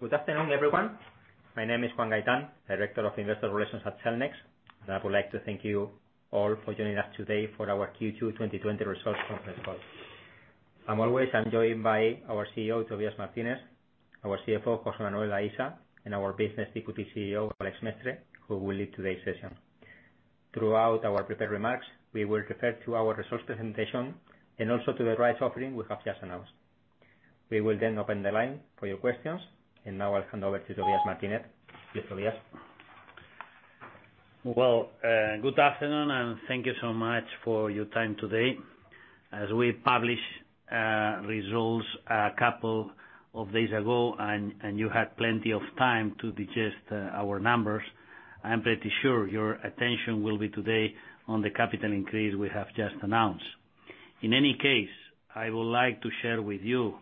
Good afternoon, everyone. My name is Juan Gaitán, Director of Investor Relations at Cellnex. I would like to thank you all for joining us today for our Q2 2020 results conference call. I'm always joined by our CEO, Tobías Martínez, our CFO, José Manuel Aisa, and our Deputy CEO, Àlex Mestre, who will lead today's session. Throughout our prepared remarks, we will refer to our results presentation and also to the rights offering we have just announced. We will then open the line for your questions, and now I'll hand over to Tobías Martínez. Please, Tobías. Good afternoon, and thank you so much for your time today. As we published results a couple of days ago, and you had plenty of time to digest our numbers, I'm pretty sure your attention will be today on the capital increase we have just announced. In any case, I would like to share with you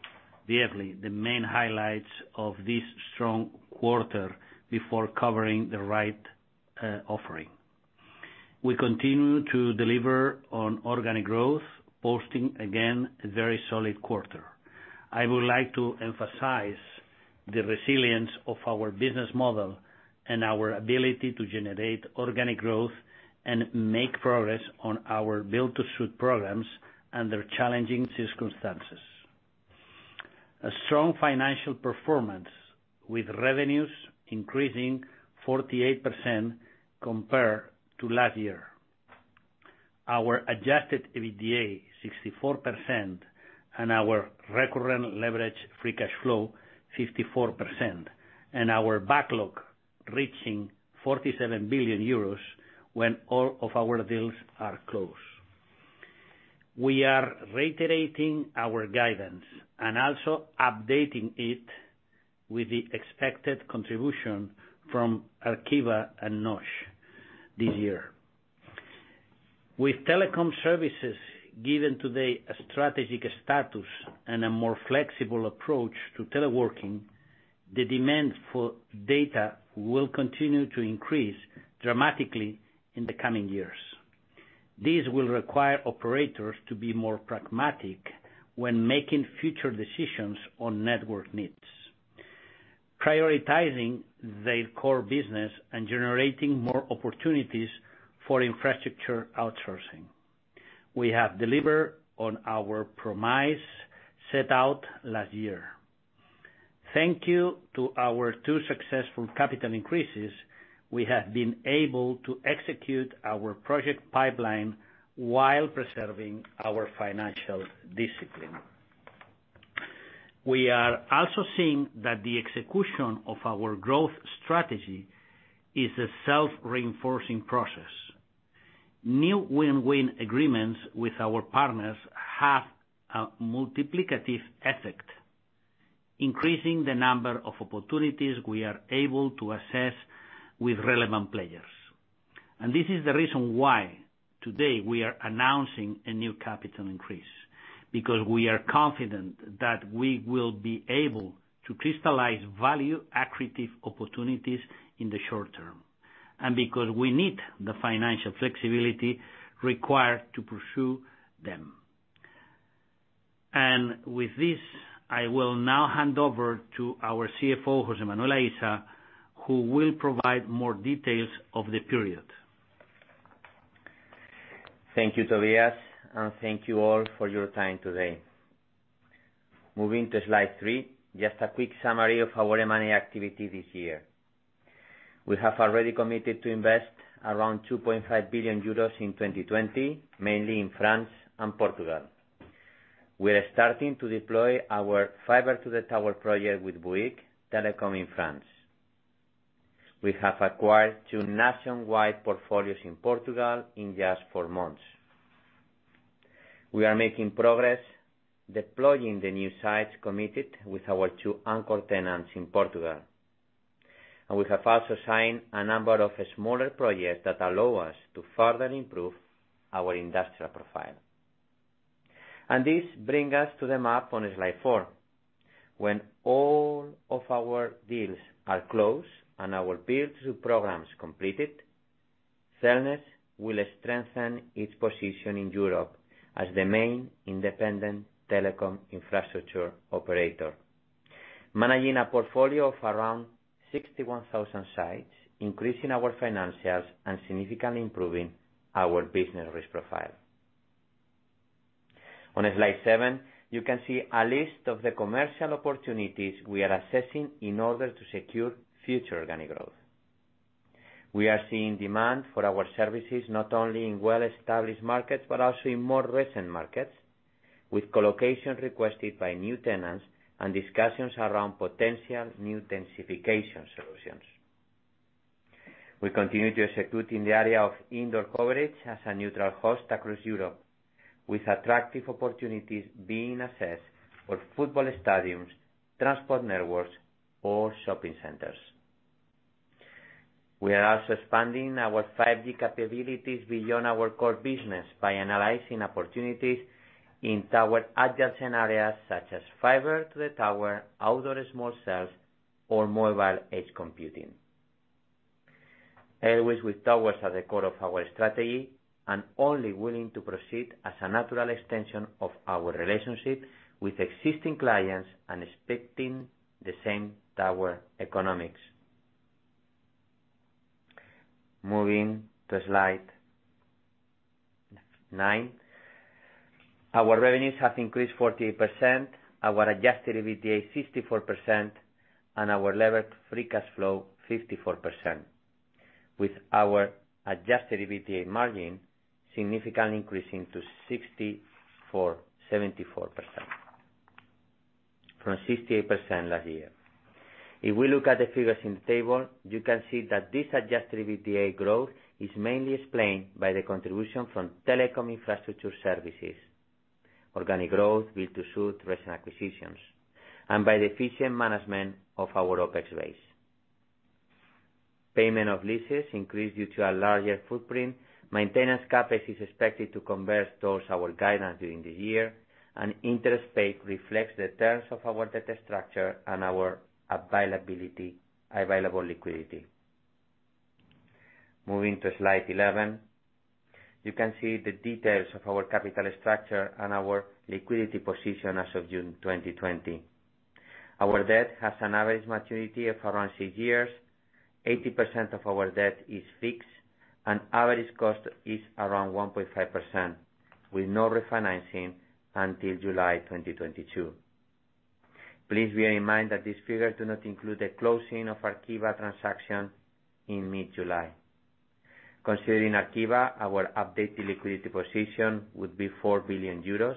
briefly the main highlights of this strong quarter before covering the rights offering. We continue to deliver on organic growth, posting again a very solid quarter. I would like to emphasize the resilience of our business model and our ability to generate organic growth and make progress on our build-to-suit programs under challenging circumstances. A strong financial performance with revenues increasing 48% compared to last year. Our adjusted EBITDA is 64%, and our recurrent leveraged free cash flow is 54%, and our backlog reaching 47 billion euros when all of our deals are closed. We are reiterating our guidance and also updating it with the expected contribution from Arqiva and NOS this year. With telecom services giving today a strategic status and a more flexible approach to teleworking, the demand for data will continue to increase dramatically in the coming years. This will require operators to be more pragmatic when making future decisions on network needs, prioritizing their core business and generating more opportunities for infrastructure outsourcing. We have delivered on our promise set out last year. Thank you to our two successful capital increases. We have been able to execute our project pipeline while preserving our financial discipline. We are also seeing that the execution of our growth strategy is a self-reinforcing process. New win-win agreements with our partners have a multiplicative effect, increasing the number of opportunities we are able to assess with relevant players. This is the reason why today we are announcing a new capital increase, because we are confident that we will be able to crystallize value-accretive opportunities in the short term, and because we need the financial flexibility required to pursue them. With this, I will now hand over to our CFO, José Manuel Aisa, who will provide more details of the period. Thank you, Tobías, and thank you all for your time today. Moving to slide three, just a quick summary of our M&A activity this year. We have already committed to invest around 2.5 billion euros in 2020, mainly in France and Portugal. We are starting to deploy our fiber-to-the-tower project with Bouygues Telecom in France. We have acquired two nationwide portfolios in Portugal in just four months. We are making progress deploying the new sites committed with our two anchor tenants in Portugal, and we have also signed a number of smaller projects that allow us to further improve our industrial profile, and this brings us to the map on slide four. When all of our deals are closed and our build-to-suit programs completed, Cellnex will strengthen its position in Europe as the main independent telecom infrastructure operator, managing a portfolio of around 61,000 sites, increasing our financials and significantly improving our business risk profile. On slide seven, you can see a list of the commercial opportunities we are assessing in order to secure future organic growth. We are seeing demand for our services not only in well-established markets but also in more recent markets, with colocation requested by new tenants and discussions around potential new densification solutions. We continue to execute in the area of indoor coverage as a neutral host across Europe, with attractive opportunities being assessed for football stadiums, transport NetWorkS!, or shopping centers. We are also expanding our 5G capabilities beyond our core business by analyzing opportunities in tower adjacent areas such as fiber-to-the-tower, outdoor small cells, or mobile edge computing. Always with towers at the core of our strategy and only willing to proceed as a natural extension of our relationship with existing clients and expecting the same tower economics. Moving to slide nine, our revenues have increased 48%, our Adjusted EBITDA 64%, and our leverage free cash flow 54%, with our Adjusted EBITDA margin significantly increasing to 60% from 68% last year. If we look at the figures in the table, you can see that this Adjusted EBITDA growth is mainly explained by the contribution from telecom infrastructure services, organic growth, build-to-suit, recent acquisitions, and by the efficient management of our OPEX base. Payment of leases increased due to a larger footprint. Maintenance CapEx is expected to convert towards our guidance during the year, and interest paid reflects the terms of our debt structure and our available liquidity. Moving to slide 11, you can see the details of our capital structure and our liquidity position as of June 2020. Our debt has an average maturity of around six years. 80% of our debt is fixed, and average cost is around 1.5%, with no refinancing until July 2022. Please bear in mind that these figures do not include the closing of Arqiva transaction in mid-July. Considering Arqiva, our updated liquidity position would be 4 billion euros,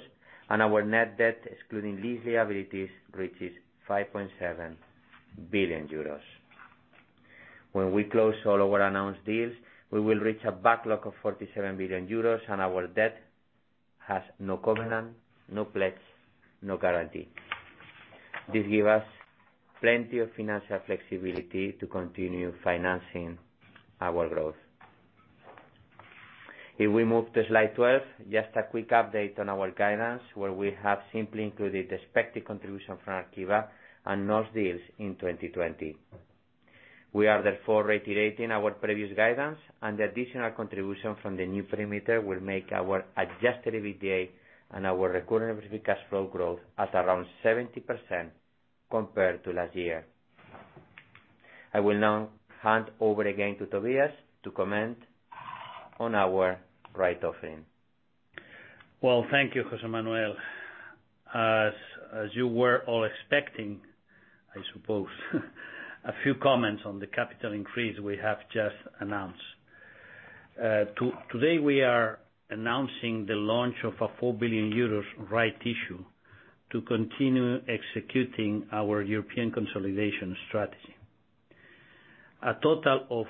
and our net debt, excluding less liabilities, reaches 5.7 billion euros. When we close all our announced deals, we will reach a backlog of 47 billion euros, and our debt has no covenant, no pledge, no guarantee. This gives us plenty of financial flexibility to continue financing our growth. If we move to slide 12, just a quick update on our guidance, where we have simply included the expected contribution from Arqiva and NOS deals in 2020. We are therefore reiterating our previous guidance, and the additional contribution from the new perimeter will make our Adjusted EBITDA and our recurrent free cash flow growth at around 70% compared to last year. I will now hand over again to Tobías to comment on our rights offering. Thank you, José Manuel. As you were all expecting, I suppose, a few comments on the capital increase we have just announced. Today, we are announcing the launch of a 4 billion euros right issue to continue executing our European consolidation strategy. A total of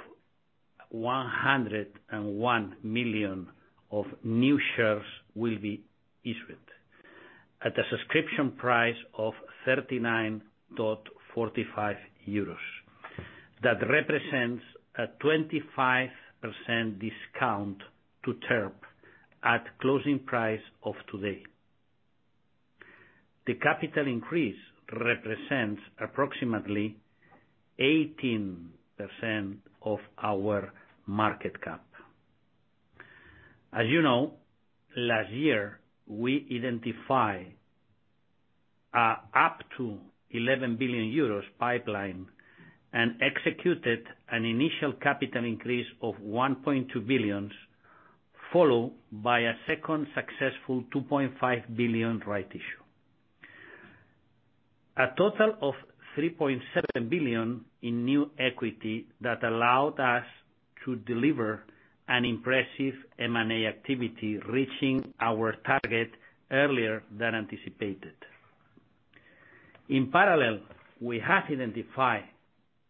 101 million of new shares will be issued at a subscription price of 39.45 euros. That represents a 25% discount to TERP at closing price of today. The capital increase represents approximately 18% of our market cap. As you know, last year, we identified an up to 11 billion euros pipeline and executed an initial capital increase of 1.2 billion, followed by a second successful 2.5 billion right issue. A total of 3.7 billion in new equity that allowed us to deliver an impressive M&A activity, reaching our target earlier than anticipated. In parallel, we have identified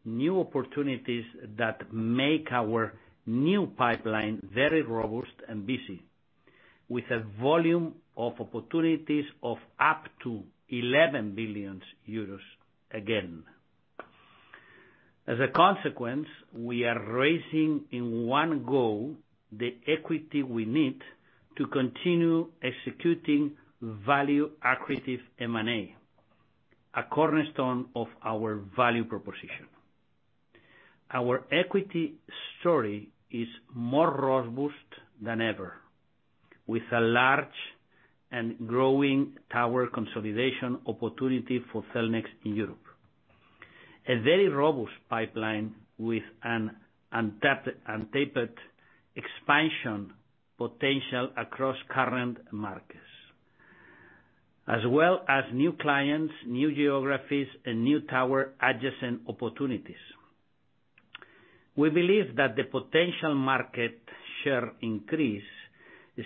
new opportunities that make our new pipeline very robust and busy, with a volume of opportunities of up to 11 billion euros again. As a consequence, we are raising in one go the equity we need to continue executing value-accretive M&A, a cornerstone of our value proposition. Our equity story is more robust than ever, with a large and growing tower consolidation opportunity for Cellnex in Europe. A very robust pipeline with an untapped expansion potential across current markets, as well as new clients, new geographies, and new tower adjacent opportunities. We believe that the potential market share increase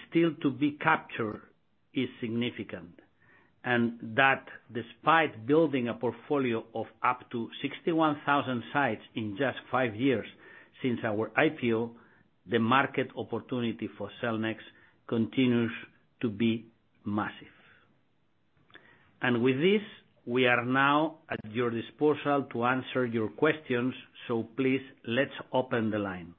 still to be captured is significant, and that despite building a portfolio of up to 61,000 sites in just five years since our IPO, the market opportunity for Cellnex continues to be massive. With this, we are now at your disposal to answer your questions, so please, let's open the line.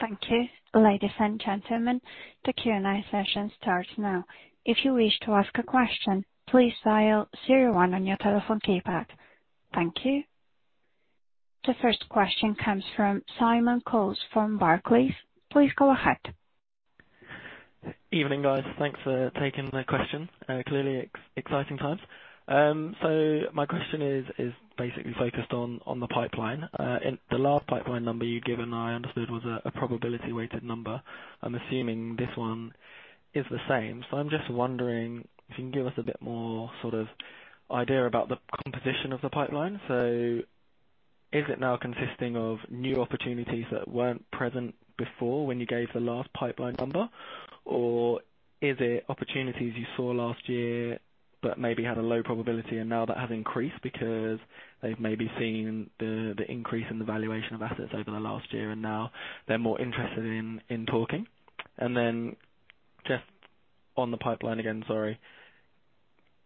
Thank you, ladies and gentlemen. The Q&A session starts now. If you wish to ask a question, please dial 01 on your telephone keypad. Thank you. The first question comes from Simon Coles from Barclays. Please go ahead. Good evening, guys. Thanks for taking the question. Clearly, exciting times. So my question is basically focused on the pipeline. The last pipeline number you given, I understood, was a probability-weighted number. I'm assuming this one is the same. So I'm just wondering if you can give us a bit more sort of idea about the composition of the pipeline. So is it now consisting of new opportunities that weren't present before when you gave the last pipeline number, or is it opportunities you saw last year but maybe had a low probability and now that has increased because they've maybe seen the increase in the valuation of assets over the last year and now they're more interested in talking? Then just on the pipeline again, sorry,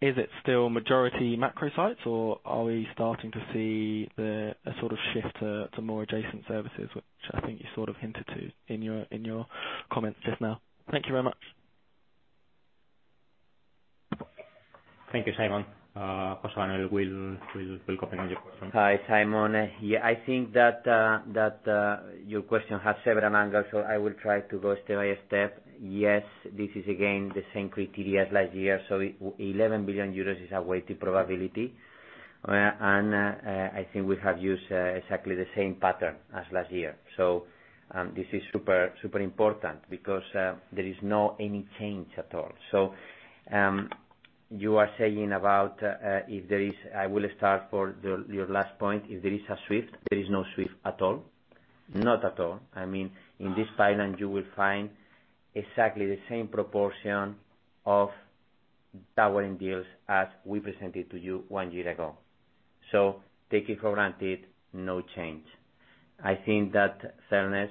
is it still majority macro sites, or are we starting to see a sort of shift to more adjacent services, which I think you sort of hinted to in your comments just now? Thank you very much. Thank you, Simon. José Manuel will comment on your question. Hi, Simon. Yeah, I think that your question has several angles, so I will try to go step by step. Yes, this is again the same criteria as last year. So 11 billion euros is a weighted probability, and I think we have used exactly the same pattern as last year. So this is super important because there is no any change at all. So you are saying about if there is—I will start for your last point—if there is a shift, there is no shift at all. Not at all. I mean, in this pipeline, you will find exactly the same proportion of tower deals as we presented to you one year ago. So take it for granted, no change. I think that Cellnex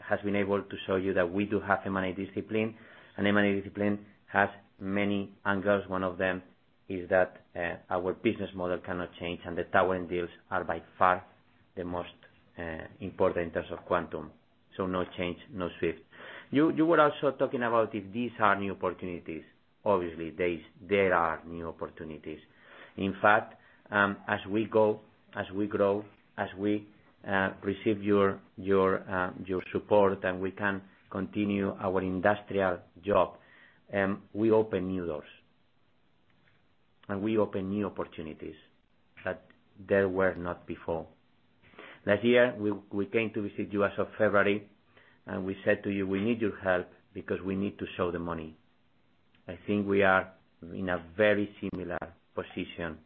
has been able to show you that we do have M&A discipline, and M&A discipline has many angles. One of them is that our business model cannot change, and the tower deals are by far the most important in terms of quantum. So no change, no shift. You were also talking about if these are new opportunities. Obviously, there are new opportunities. In fact, as we go, as we grow, as we receive your support and we can continue our industrial job, we open new doors, and we open new opportunities that there were not before. Last year, we came to visit you as of February, and we said to you, "We need your help because we need to show the money." I think we are in a very similar position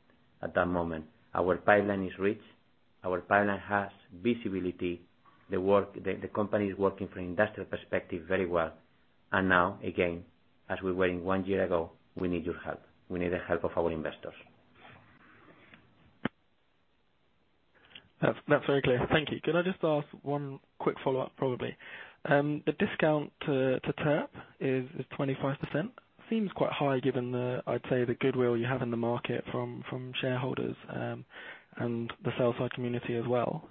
at that moment. Our pipeline is rich. Our pipeline has visibility. The company is working from an industrial perspective very well. Now, again, as we were one year ago, we need your help. We need the help of our investors. That's very clear. Thank you. Can I just ask one quick follow-up, probably? The discount to TERP is 25%. Seems quite high given the, I'd say, the goodwill you have in the market from shareholders and the sell-side community as well.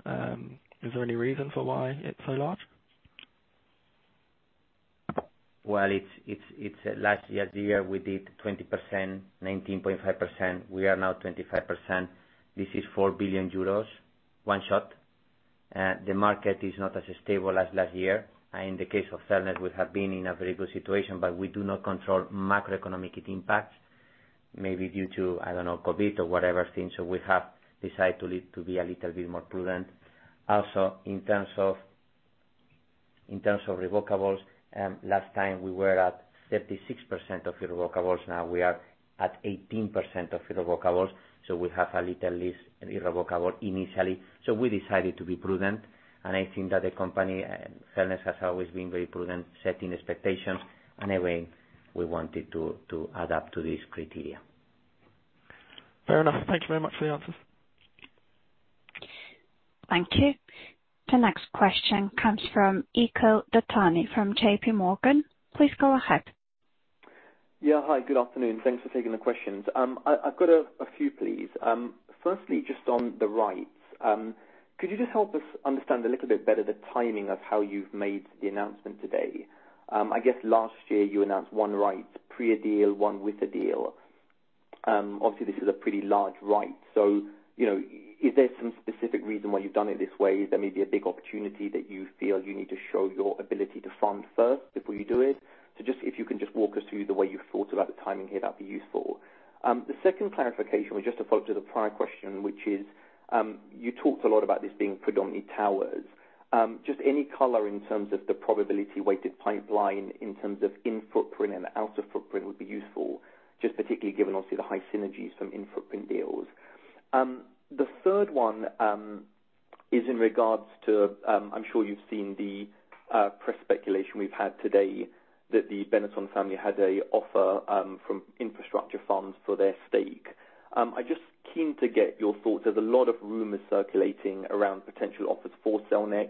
Is there any reason for why it's so large? It's last year's year. We did 20%-19.5%. We are now 25%. This is 4 billion euros, one shot. The market is not as stable as last year. In the case of Cellnex, we have been in a very good situation, but we do not control macroeconomic impacts, maybe due to, I don't know, COVID or whatever thing. So we have decided to be a little bit more prudent. Also, in terms of irrevocables, last time we were at 36% of irrevocables. Now we are at 18% of irrevocables. So we have a little less irrevocable initially. So we decided to be prudent, and I think that the company, Cellnex, has always been very prudent, setting expectations. And again, we wanted to adapt to these criteria. Fair enough. Thank you very much for the answers. Thank you. The next question comes from Akhil Dattani from JP Morgan. Please go ahead. Yeah. Hi, good afternoon. Thanks for taking the questions. I've got a few, please. Firstly, just on the rights, could you just help us understand a little bit better the timing of how you've made the announcement today? I guess last year you announced one right pre-a deal, one with a deal. Obviously, this is a pretty large right. So is there some specific reason why you've done it this way? Is there maybe a big opportunity that you feel you need to show your ability to fund first before you do it? So just if you can just walk us through the way you've thought about the timing here, that'd be useful. The second clarification was just to follow up to the prior question, which is you talked a lot about this being predominantly towers. Just any color in terms of the probability-weighted pipeline in terms of in-footprint and out-of-footprint would be useful, just particularly given, obviously, the high synergies from in-footprint deals. The third one is in regards to. I'm sure you've seen the press speculation we've had today that the Benetton family had an offer from infrastructure funds for their stake. I'm just keen to get your thoughts. There's a lot of rumors circulating around potential offers for Cellnex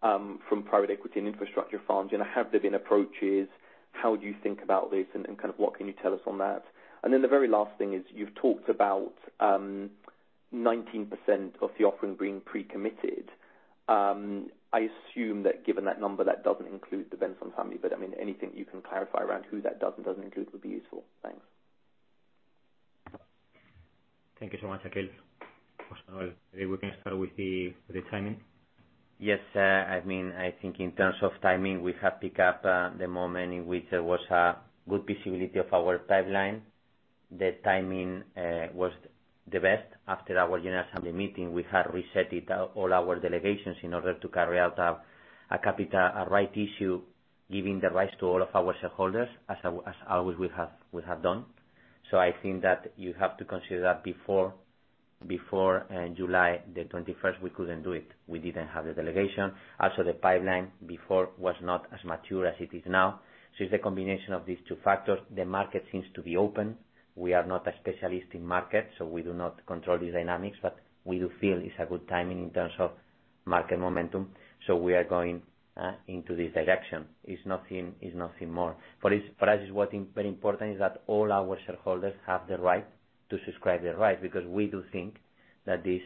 from private equity and infrastructure funds. Have there been approaches? How do you think about this? Kind of what can you tell us on that? Then the very last thing is you've talked about 19% of the offering being pre-committed. I assume that given that number, that doesn't include the Benetton family. I mean, anything you can clarify around who that does and doesn't include would be useful. Thanks. Thank you so much, Akhil. José Manuel, maybe we can start with the timing. Yes. I mean, I think in terms of timing, we have picked up the moment in which there was a good visibility of our pipeline. The timing was the best. After our general assembly meeting, we had reset all our delegations in order to carry out a rights issue, giving the rights to all of our shareholders, as always we have done. So I think that you have to consider that before July the 21st, we couldn't do it. We didn't have the delegation. Also, the pipeline before was not as mature as it is now. So it's the combination of these two factors. The market seems to be open. We are not a specialist in market, so we do not control these dynamics, but we do feel it's a good timing in terms of market momentum. So we are going into this direction. It's nothing more. For us, it's very important that all our shareholders have the right to subscribe their rights because we do think that this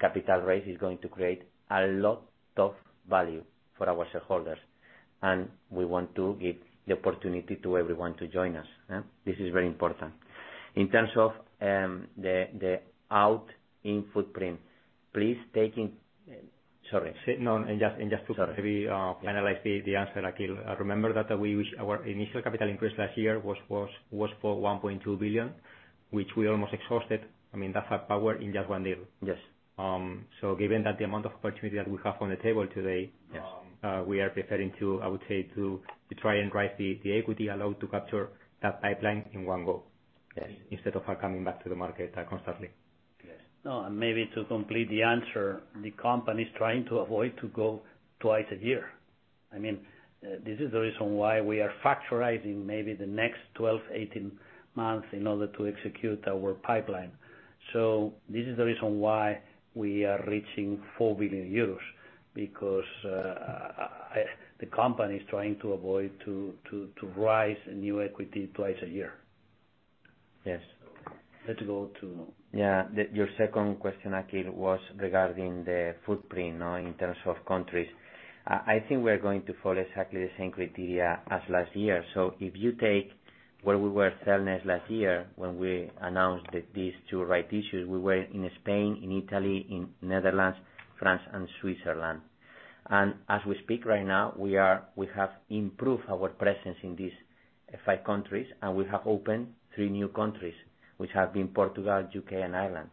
capital raise is going to create a lot of value for our shareholders. And we want to give the opportunity to everyone to join us. This is very important. In terms of the out-of-footprint, please take it, sorry. No, and just to maybe finalize the answer, Akhil, remember that our initial capital increase last year was for 1.2 billion, which we almost exhausted. I mean, that's a powerhouse in just one deal. So given that the amount of opportunity that we have on the table today, we are preparing to, I would say, to try and raise the equity allowed to capture that pipeline in one go instead of coming back to the market constantly. Yes. No, and maybe to complete the answer, the company is trying to avoid to go twice a year. I mean, this is the reason why we are factoring maybe the next 12-18 months in order to execute our pipeline. So this is the reason why we are reaching 4 billion euros because the company is trying to avoid to raise new equity twice a year. Yes. Let's go to. Yeah. Your second question, Akhil, was regarding the footprint in terms of countries. I think we are going to follow exactly the same criteria as last year, so if you take where we were at Cellnex last year when we announced these two rights issues, we were in Spain, in Italy, in Netherlands, France, and Switzerland, and as we speak right now, we have improved our presence in these five countries, and we have opened three new countries, which have been Portugal, the U.K., and Ireland,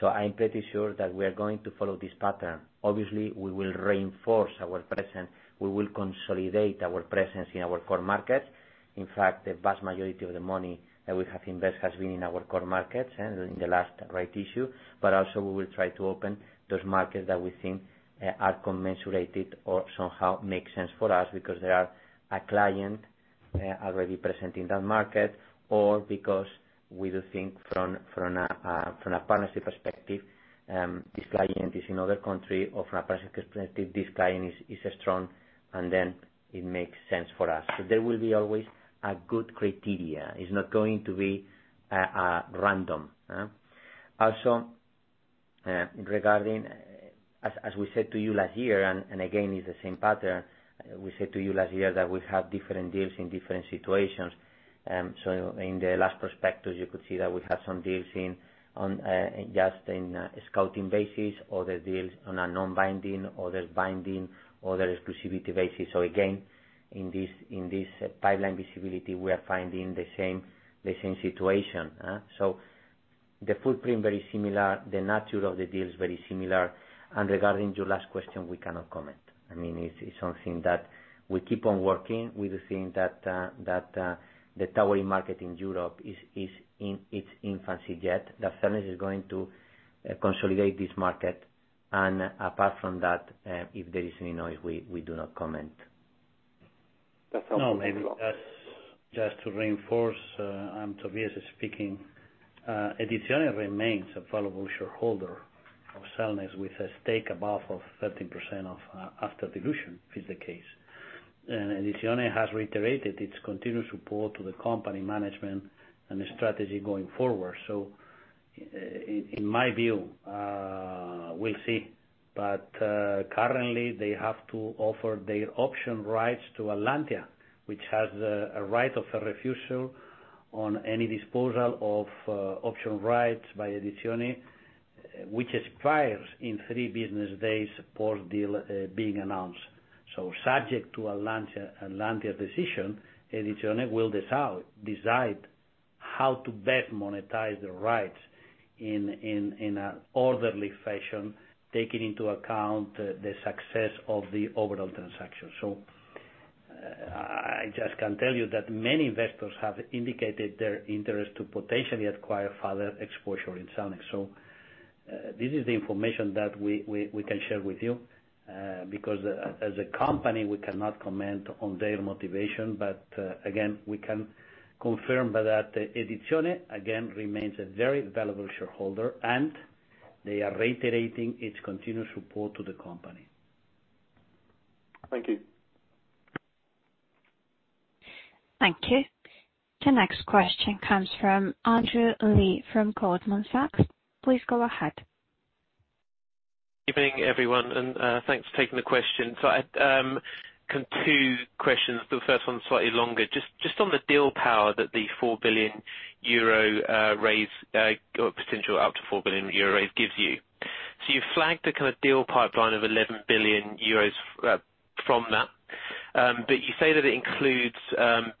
so I'm pretty sure that we are going to follow this pattern. Obviously, we will reinforce our presence. We will consolidate our presence in our core markets. In fact, the vast majority of the money that we have invested has been in our core markets in the last rights issue. But also, we will try to open those markets that we think are commensurated or somehow make sense for us because there are a client already present in that market, or because we do think from a partnership perspective, this client is in other countries, or from a partnership perspective, this client is strong, and then it makes sense for us. So there will be always good criteria. It's not going to be random. Also, regarding, as we said to you last year, and again, it's the same pattern. We said to you last year that we have different deals in different situations. So in the last prospectus, you could see that we had some deals just in scouting basis, other deals on a non-binding, other binding, other exclusivity basis. So again, in this pipeline visibility, we are finding the same situation. So the footprint is very similar. The nature of the deal is very similar. Regarding your last question, we cannot comment. I mean, it's something that we keep on working. We do think that the tower market in Europe is in its infancy yet. That Cellnex is going to consolidate this market. And apart from that, if there is any noise, we do not comment. That's helpful. No, maybe just to reinforce, I'm Tobías speaking. Edizione remains a valuable shareholder of Cellnex with a stake above of 13% after dilution, if it's the case. And Edizione has reiterated its continued support to the company management and the strategy going forward. So in my view, we'll see. But currently, they have to offer their option rights to Atlantia, which has a right of refusal on any disposal of option rights by Edizione, which expires in three business days post-deal being announced. So subject to Atlantia's decision, Edizione will decide how to best monetize the rights in an orderly fashion, taking into account the success of the overall transaction. So I just can tell you that many investors have indicated their interest to potentially acquire further exposure in Cellnex. This is the information that we can share with you because, as a company, we cannot comment on their motivation. But again, we can confirm that Edizione, again, remains a very valuable shareholder, and they are reiterating its continued support to the company. Thank you. Thank you. The next question comes from Andrew Lee from Goldman Sachs. Please go ahead. Good evening, everyone. Thanks for taking the question. I had two questions. The first one's slightly longer. Just on the firepower that the 4 billion euro raise or potential over-EUR4 billion raise gives you. You've flagged a kind of deal pipeline of 11 billion euros from that. But you say that it includes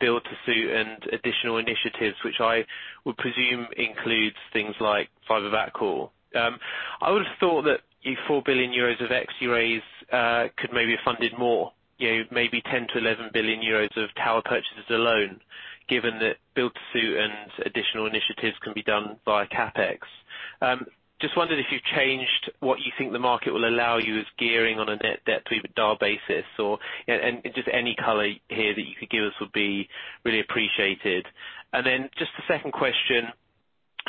build-to-suit and additional initiatives, which I would presume includes things like fiber backhaul. I would have thought that your 4 billion euros of equity raise could maybe have funded more, maybe 10 to 11 billion euros of tower purchases alone, given that build-to-suit and additional initiatives can be done via CapEx. Just wondered if you've changed what you think the market will allow you as gearing on a net debt to EBITDA basis, or just any color here that you could give us would be really appreciated. And then just the second question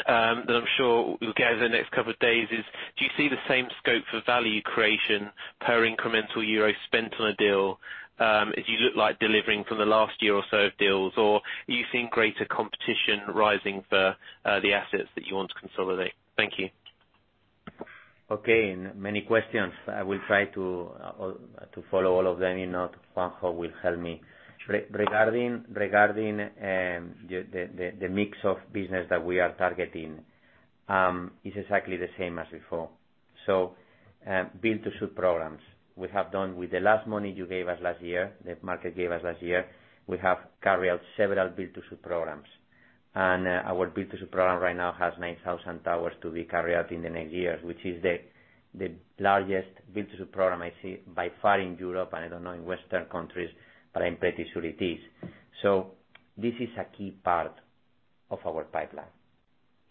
that I'm sure we'll get over the next couple of days is, do you see the same scope for value creation per incremental euro spent on a deal as you look like delivering from the last year or so of deals, or are you seeing greater competition rising for the assets that you want to consolidate? Thank you. Okay. Many questions. I will try to follow all of them in order to find how it will help me. Regarding the mix of business that we are targeting, it's exactly the same as before. So build-to-suit programs. We have done with the last money you gave us last year, the market gave us last year, we have carried out several build-to-suit programs. And our build-to-suit program right now has 9,000 towers to be carried out in the next years, which is the largest build-to-suit program I see by far in Europe, and I don't know in Western countries, but I'm pretty sure it is. So this is a key part of our pipeline.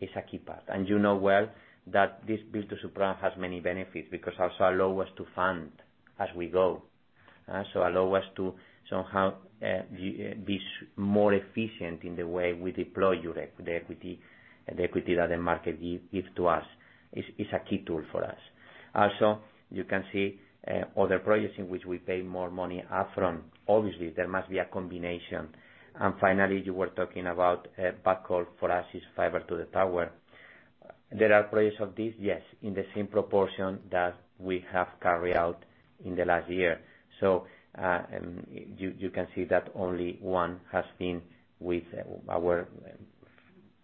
It's a key part. And you know well that this build-to-suit program has many benefits because also allow us to fund as we go. Allow us to somehow be more efficient in the way we deploy the equity that the market gives to us. It's a key tool for us. Also, you can see other projects in which we pay more money upfront. Obviously, there must be a combination. And finally, you were talking about backhaul; for us, it is fiber to the tower. There are projects like this, yes, in the same proportion that we have carried out in the last year. So you can see that only one has been with our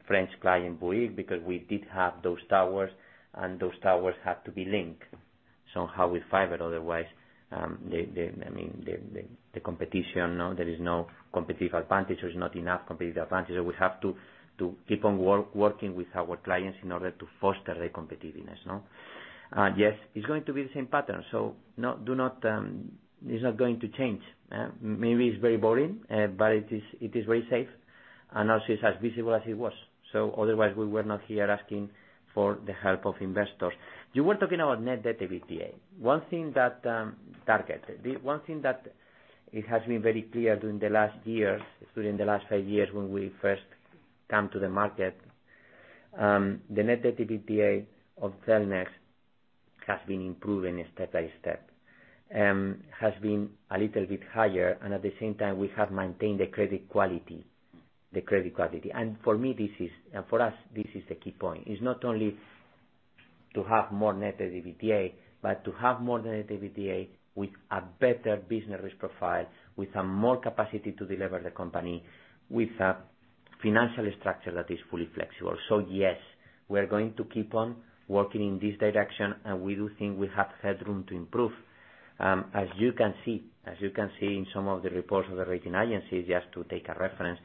French client, Bouygues, because we did have those towers, and those towers had to be linked somehow with fiber. Otherwise, I mean, the competition; there is no competitive advantage, or it's not enough competitive advantage. So we have to keep on working with our clients in order to foster their competitiveness. Yes, it's going to be the same pattern. It's not going to change. Maybe it's very boring, but it is very safe. And also, it's as visible as it was. Otherwise, we were not here asking for the help of investors. You were talking about net debt EBITDA. One thing that targeted, one thing that it has been very clear during the last years, during the last five years when we first came to the market, the net debt EBITDA of Cellnex has been improving step by step, has been a little bit higher. And at the same time, we have maintained the credit quality, the credit quality. And for me, this is, and for us, this is the key point. It's not only to have more net debt EBITDA, but to have more net debt EBITDA with a better business risk profile, with more capacity to deliver the company, with a financial structure that is fully flexible. So yes, we are going to keep on working in this direction, and we do think we have had room to improve. As you can see in some of the reports of the rating agencies, just to take a reference,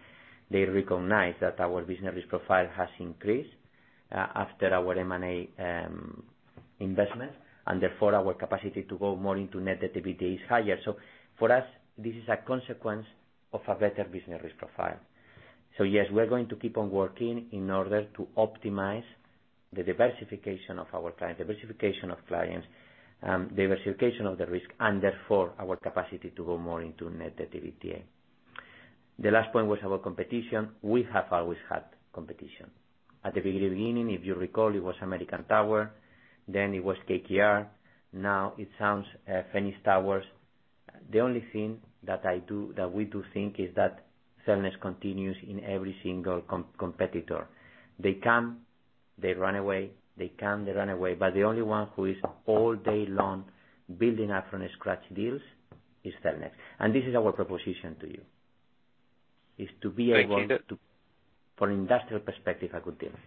they recognize that our business risk profile has increased after our M&A investment, and therefore, our capacity to go more into net debt EBITDA is higher. So for us, this is a consequence of a better business risk profile. So yes, we are going to keep on working in order to optimize the diversification of our clients, diversification of clients, diversification of the risk, and therefore, our capacity to go more into net debt EBITDA. The last point was about competition. We have always had competition. At the very beginning, if you recall, it was American Tower. Then it was KKR. Now it sounds Phoenix Tower International. The only thing that we do think is that Cellnex continues in every single competitor. They come, they run away, they come, they run away. But the only one who is all day long building up from scratch deals is Cellnex. And this is our proposition to you. It's to be able to, from an industrial perspective, I could tell you.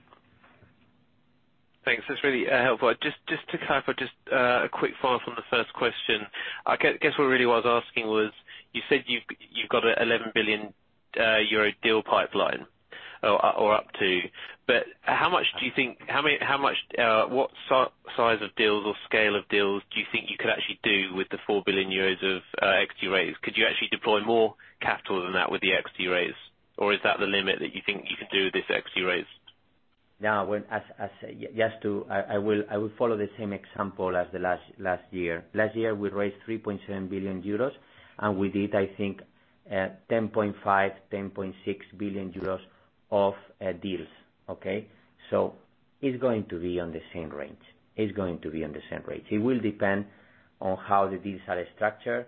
Thanks. That's really helpful. Just to clarify, just a quick follow-up on the first question. I guess what I really was asking was, you said you've got an 11 billion euro deal pipeline or up to. But how much do you think, how much, what size of deals or scale of deals do you think you could actually do with the 4 billion euros of equity raise? Could you actually deploy more capital than that with the equity raise? Or is that the limit that you think you can do with this equity raise? Yeah. Yes, I will follow the same example as the last year. Last year, we raised 3.7 billion euros, and we did, I think, EUR10.5-EUR10.6 billion of deals. Okay? So it's going to be on the same range. It's going to be on the same range. It will depend on how the deals are structured,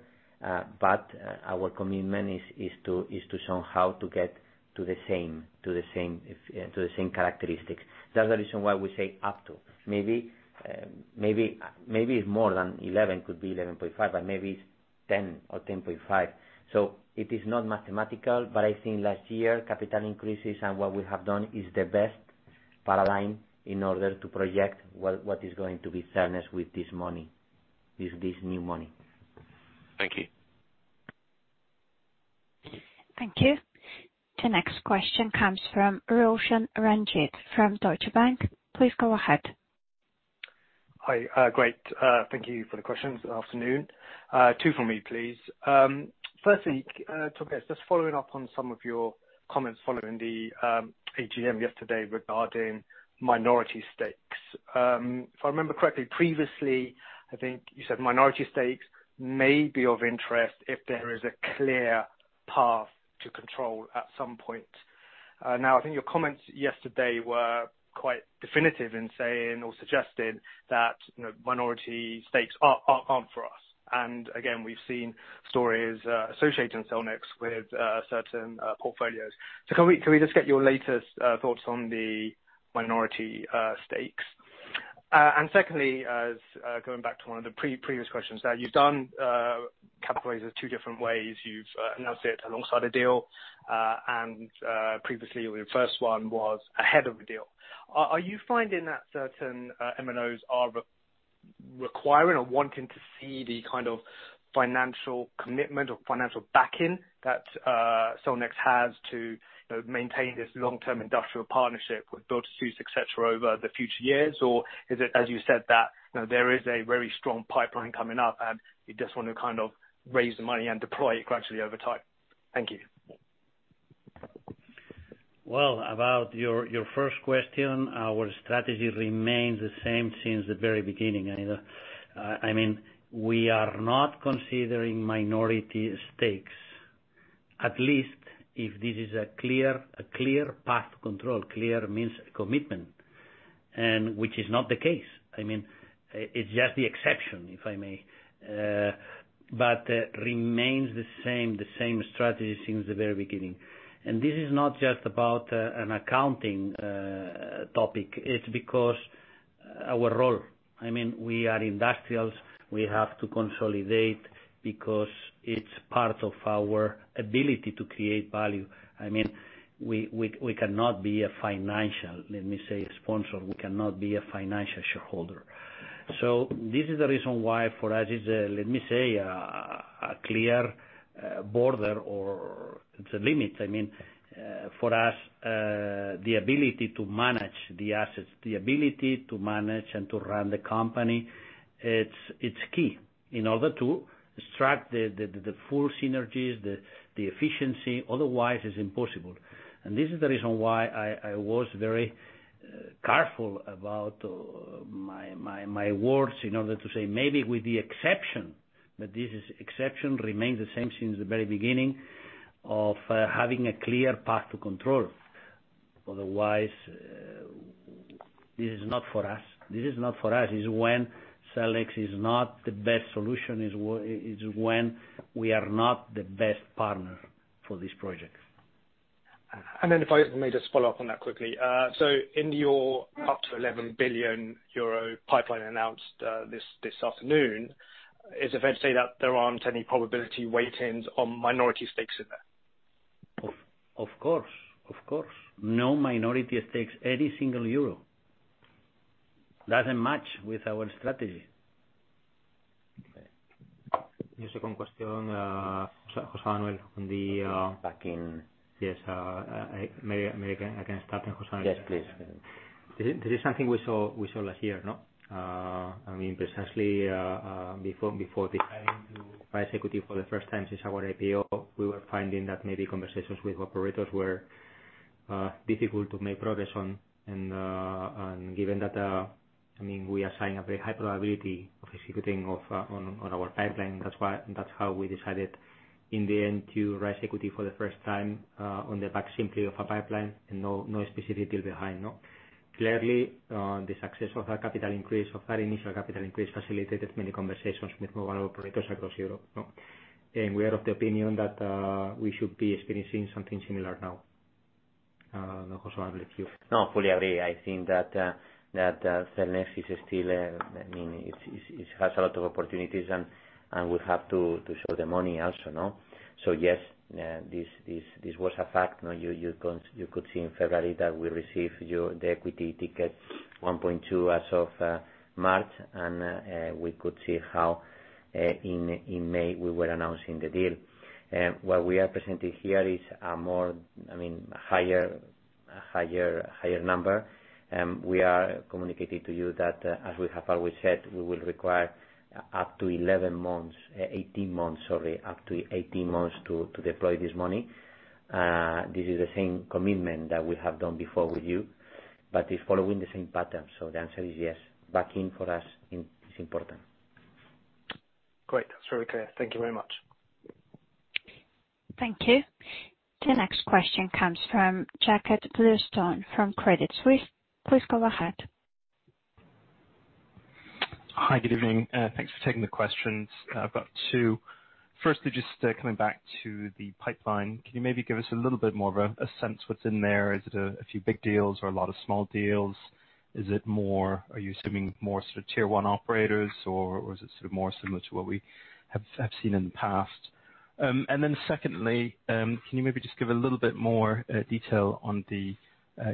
but our commitment is to somehow get to the same characteristics. That's the reason why we say up to. Maybe it's more than 11, could be 11.5, but maybe it's 10 or 10.5. So it is not mathematical, but I think last year, capital increases and what we have done is the best paradigm in order to project what is going to be Cellnex with this money, with this new money. Thank you. Thank you. The next question comes from Roshan Ranjit from Deutsche Bank. Please go ahead. Hi. Great. Thank you for the questions. Good afternoon. Two from me, please. Firstly, Tobías, just following up on some of your comments following the AGM yesterday regarding minority stakes. If I remember correctly, previously, I think you said minority stakes may be of interest if there is a clear path to control at some point. Now, I think your comments yesterday were quite definitive in saying or suggesting that minority stakes aren't for us. And again, we've seen stories associating Cellnex with certain portfolios. So can we just get your latest thoughts on the minority stakes? And secondly, going back to one of the previous questions, you've done capital raises two different ways. You've announced it alongside a deal. And previously, your first one was ahead of a deal. Are you finding that certain MNOs are requiring or wanting to see the kind of financial commitment or financial backing that Cellnex has to maintain this long-term industrial partnership with build-to-suit, etc., over the future years? Or is it, as you said, that there is a very strong pipeline coming up, and you just want to kind of raise the money and deploy it gradually over time? Thank you. About your first question, our strategy remains the same since the very beginning. I mean, we are not considering minority stakes, at least if this is a clear path control. Clear means commitment, which is not the case. I mean, it's just the exception, if I may, but remains the same, the same strategy since the very beginning. And this is not just about an accounting topic. It's because our role, I mean, we are industrials. We have to consolidate because it's part of our ability to create value. I mean, we cannot be a financial, let me say, sponsor. We cannot be a financial shareholder. So this is the reason why for us, it's, let me say, a clear border or it's a limit. I mean, for us, the ability to manage the assets, the ability to manage and to run the company, it's key in order to extract the full synergies, the efficiency. Otherwise, it's impossible. And this is the reason why I was very careful about my words in order to say maybe with the exception, but this exception remains the same since the very beginning of having a clear path to control. Otherwise, this is not for us. This is not for us. It's when Cellnex is not the best solution. It's when we are not the best partner for this project. And then if I may just follow up on that quickly. So in your up to 11 billion euro pipeline announced this afternoon, is it fair to say that there aren't any probability weightings on minority stakes in there? Of course. Of course. No minority stakes, any single euro. Doesn't match with our strategy. Just a quick question, José Manuel, on the. Back in. Yes. I can start, José Manuel. Yes, please. This is something we saw last year, no? I mean, precisely before deciding to raise equity for the first time since our IPO, we were finding that maybe conversations with counterparties were difficult to make progress on. And given that, I mean, we assign a very high probability of executing on our pipeline, that's why that's how we decided in the end to raise equity for the first time on the back simply of a pipeline and no specific deal behind. Clearly, the success of that capital increase, of that initial capital increase, facilitated many conversations with mobile operators across Europe. And we are of the opinion that we should be experiencing something similar now. José Manuel, you. No, I fully agree. I think that Cellnex is still, I mean, it has a lot of opportunities and we have to show the money also. So yes, this was a fact. You could see in February that we received the equity ticket 1.2 as of March, and we could see how in May we were announcing the deal. What we are presenting here is a more, I mean, higher number. We are communicating to you that as we have always said, we will require up to 11 months, 18 months, sorry, up to 18 months to deploy this money. This is the same commitment that we have done before with you, but it's following the same pattern. So the answer is yes. Backing for us is important. Great. That's really clear. Thank you very much. Thank you. The next question comes from Jakob Bluestone from Credit Suisse. Please go ahead. Hi, good evening. Thanks for taking the questions. I've got two. Firstly, just coming back to the pipeline, can you maybe give us a little bit more of a sense of what's in there? Is it a few big deals or a lot of small deals? Is it more, are you assuming more sort of tier one operators, or is it sort of more similar to what we have seen in the past? And then secondly, can you maybe just give a little bit more detail on the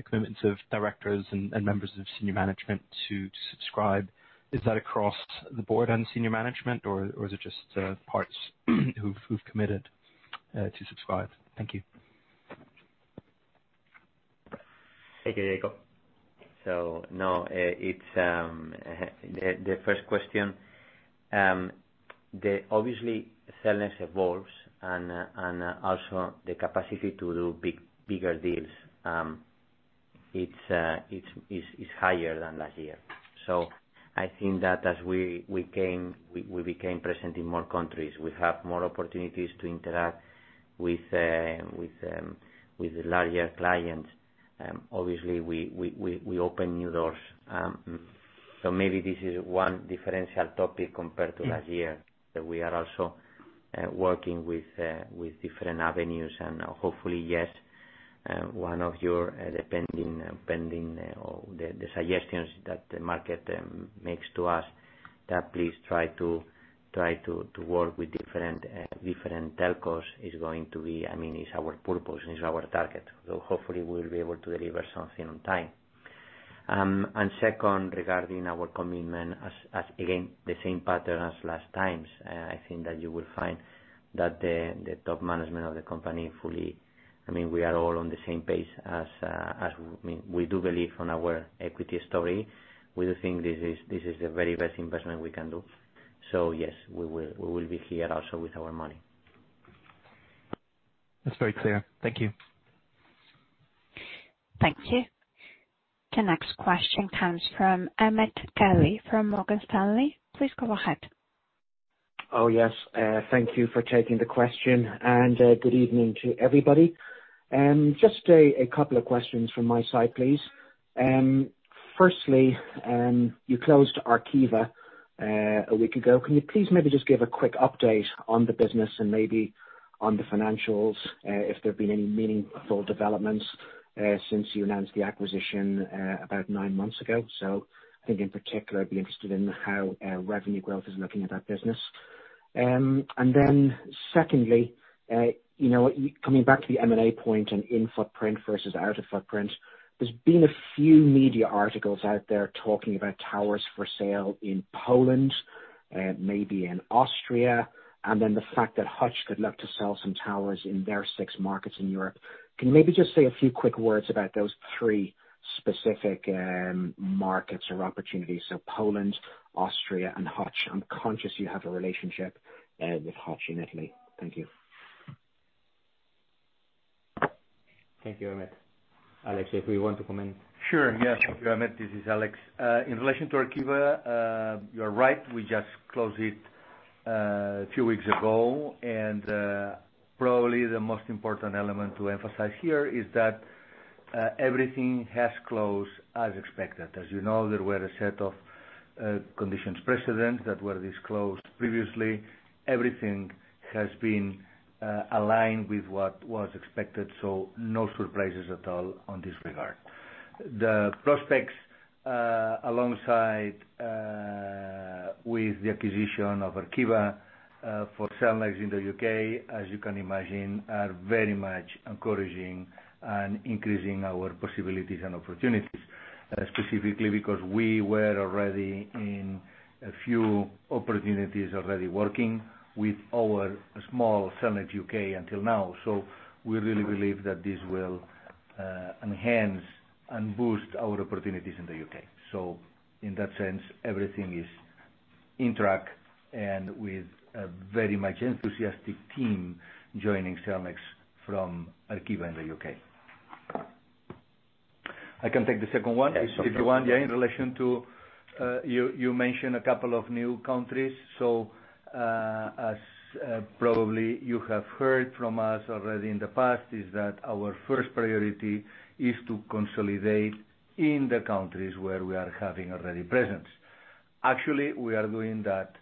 commitments of directors and members of senior management to subscribe? Is that across the board and senior management, or is it just parts who've committed to subscribe? Thank you. Okay, Jakob. So now it's the first question. Obviously, Cellnex evolves, and also the capacity to do bigger deals is higher than last year. So I think that as we became present in more countries, we have more opportunities to interact with larger clients. Obviously, we open new doors. So maybe this is one differential topic compared to last year that we are also working with different avenues. And hopefully, yes, one of your pending suggestions that the market makes to us that please try to work with different telcos is going to be, I mean, is our purpose and is our target. So hopefully, we will be able to deliver something on time. And second, regarding our commitment, again, the same pattern as last times. I think that you will find that the top management of the company fully, I mean, we are all on the same page as we do believe on our equity story. We do think this is the very best investment we can do. So yes, we will be here also with our money. That's very clear. Thank you. Thank you. The next question comes from Ahmed Ghaly from Morgan Stanley. Please go ahead. Oh, yes. Thank you for taking the question and good evening to everybody. Just a couple of questions from my side, please. First, you closed Arqiva a week ago. Can you please maybe just give a quick update on the business and maybe on the financials if there have been any meaningful developments since you announced the acquisition about nine months ago, so I think in particular, I'd be interested in how revenue growth is looking at that business and then second, coming back to the M&A point and in-footprint versus out-of-footprint, there's been a few media articles out there talking about towers for sale in Poland, maybe in Austria, and then the fact that Hutch could look to sell some towers in their six markets in Europe. Can you maybe just say a few quick words about those three specific markets or opportunities, so Poland, Austria, and Hutch. I'm conscious you have a relationship with Hutchison in Italy. Thank you. Thank you, Ahmed. Àlex, if you want to comment. Sure. Yes. Thank you, Ahmed. This is Alex. In relation to Arqiva, you are right. We just closed it a few weeks ago, and probably the most important element to emphasize here is that everything has closed as expected. As you know, there were a set of conditions precedents that were disclosed previously. Everything has been aligned with what was expected, so no surprises at all on this regard. The prospects alongside with the acquisition of Arqiva for Cellnex in the U.K., as you can imagine, are very much encouraging and increasing our possibilities and opportunities, specifically because we were already in a few opportunities already working with our small Cellnex U.K. until now, so we really believe that this will enhance and boost our opportunities in the U.K. So in that sense, everything is on track and with a very much enthusiastic team joining Cellnex from Arqiva in the U.K. I can take the second one if you want. Yeah. In relation to you mentioned a couple of new countries. So as probably you have heard from us already in the past, is that our first priority is to consolidate in the countries where we are having already presence. Actually, we are doing that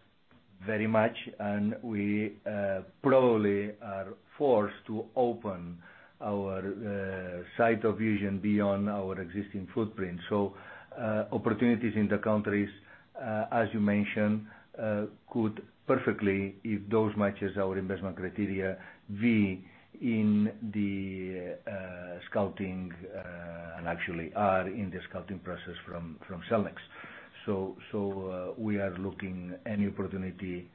very much, and we probably are forced to open our sight of vision beyond our existing footprint. So opportunities in the countries, as you mentioned, could perfectly, if those matches our investment criteria, be in the scouting and actually are in the scouting process from Cellnex. So we are looking at any opportunity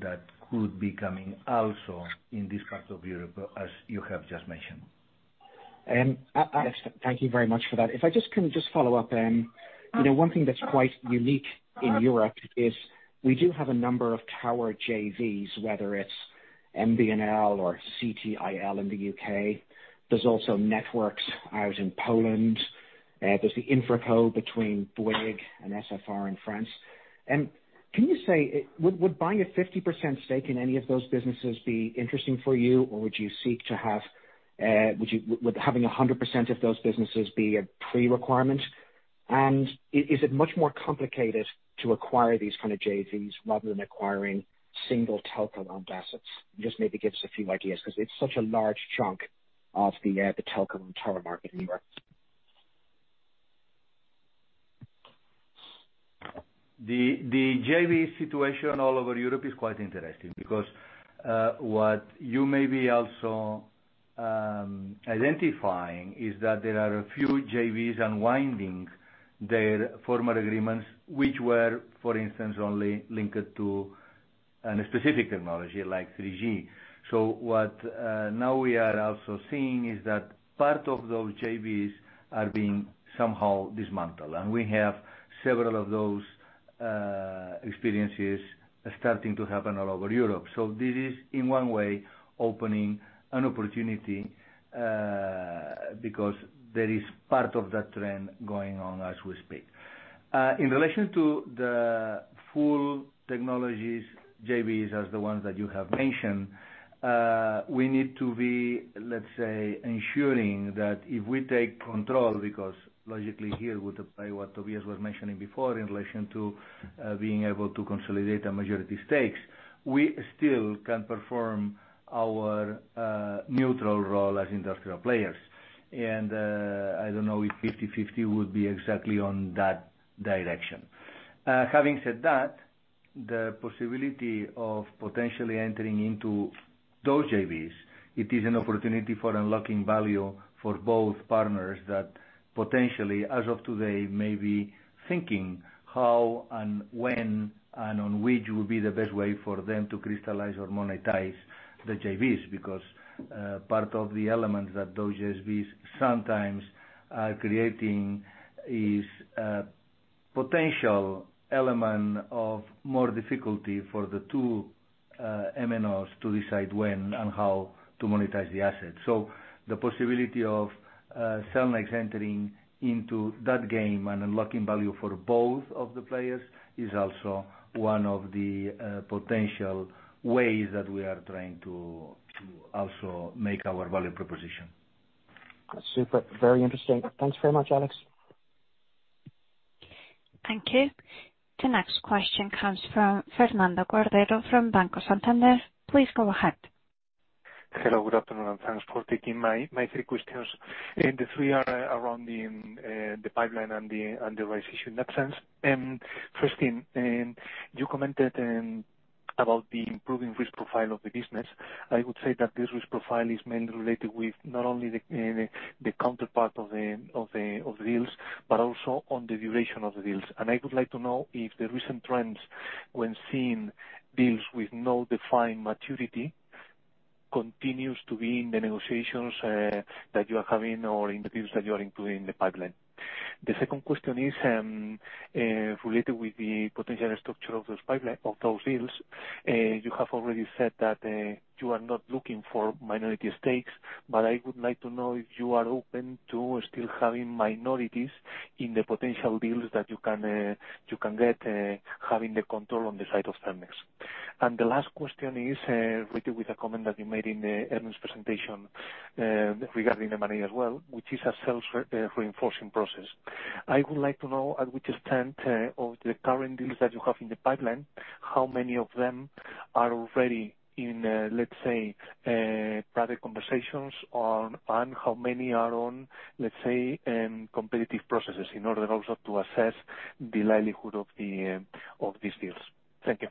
that could be coming also in this part of Europe, as you have just mentioned. Thank you very much for that. If I can just follow up, one thing that's quite unique in Europe is we do have a number of tower JVs, whether it's MBNL or CTIL in the U.K. There's also NetWorkS! out in Poland. There's the infraco between Bouygues and SFR in France. And can you say, would buying a 50% stake in any of those businesses be interesting for you, or would you seek to have 100% of those businesses be a prerequirement? And is it much more complicated to acquire these kind of JVs rather than acquiring single telco-owned assets? Just maybe give us a few ideas because it's such a large chunk of the telco and tower market in Europe. The JV situation all over Europe is quite interesting because what you may be also identifying is that there are a few JVs unwinding their former agreements, which were, for instance, only linked to a specific technology like 3G. So what now we are also seeing is that part of those JVs are being somehow dismantled. And we have several of those experiences starting to happen all over Europe. So this is, in one way, opening an opportunity because there is part of that trend going on as we speak. In relation to the full technologies JVs as the ones that you have mentioned, we need to be, let's say, ensuring that if we take control, because logically here would apply what Tobías was mentioning before in relation to being able to consolidate a majority stakes, we still can perform our neutral role as industrial players. And I don't know if 50/50 would be exactly on that direction. Having said that, the possibility of potentially entering into those JVs, it is an opportunity for unlocking value for both partners that potentially, as of today, may be thinking how and when and on which would be the best way for them to crystallize or monetize the JVs because part of the elements that those JVs sometimes are creating is a potential element of more difficulty for the two M&Os to decide when and how to monetize the assets. So the possibility of Cellnex entering into that game and unlocking value for both of the players is also one of the potential ways that we are trying to also make our value proposition. That's very interesting. Thanks very much, Àlex. Thank you. The next question comes from Fernando Cordero from Banco Santander. Please go ahead. Hello. Good afternoon. I'm transporting my three questions, and the three are around the pipeline and the rights issue in that sense. Firstly, you commented about the improving risk profile of the business. I would say that this risk profile is mainly related with not only the counterparty of the deals, but also on the duration of the deals, and I would like to know if the recent trends when seeing deals with no defined maturity continues to be in the negotiations that you are having or in the deals that you are including in the pipeline. The second question is related with the potential structure of those deals. You have already said that you are not looking for minority stakes, but I would like to know if you are open to still having minorities in the potential deals that you can get having the control on the side of Cellnex. And the last question is related with a comment that you made in the earnings presentation regarding M&A as well, which is a sales reinforcing process. I would like to know at which extent of the current deals that you have in the pipeline, how many of them are already in, let's say, private conversations, and how many are on, let's say, competitive processes in order also to assess the likelihood of these deals. Thank you.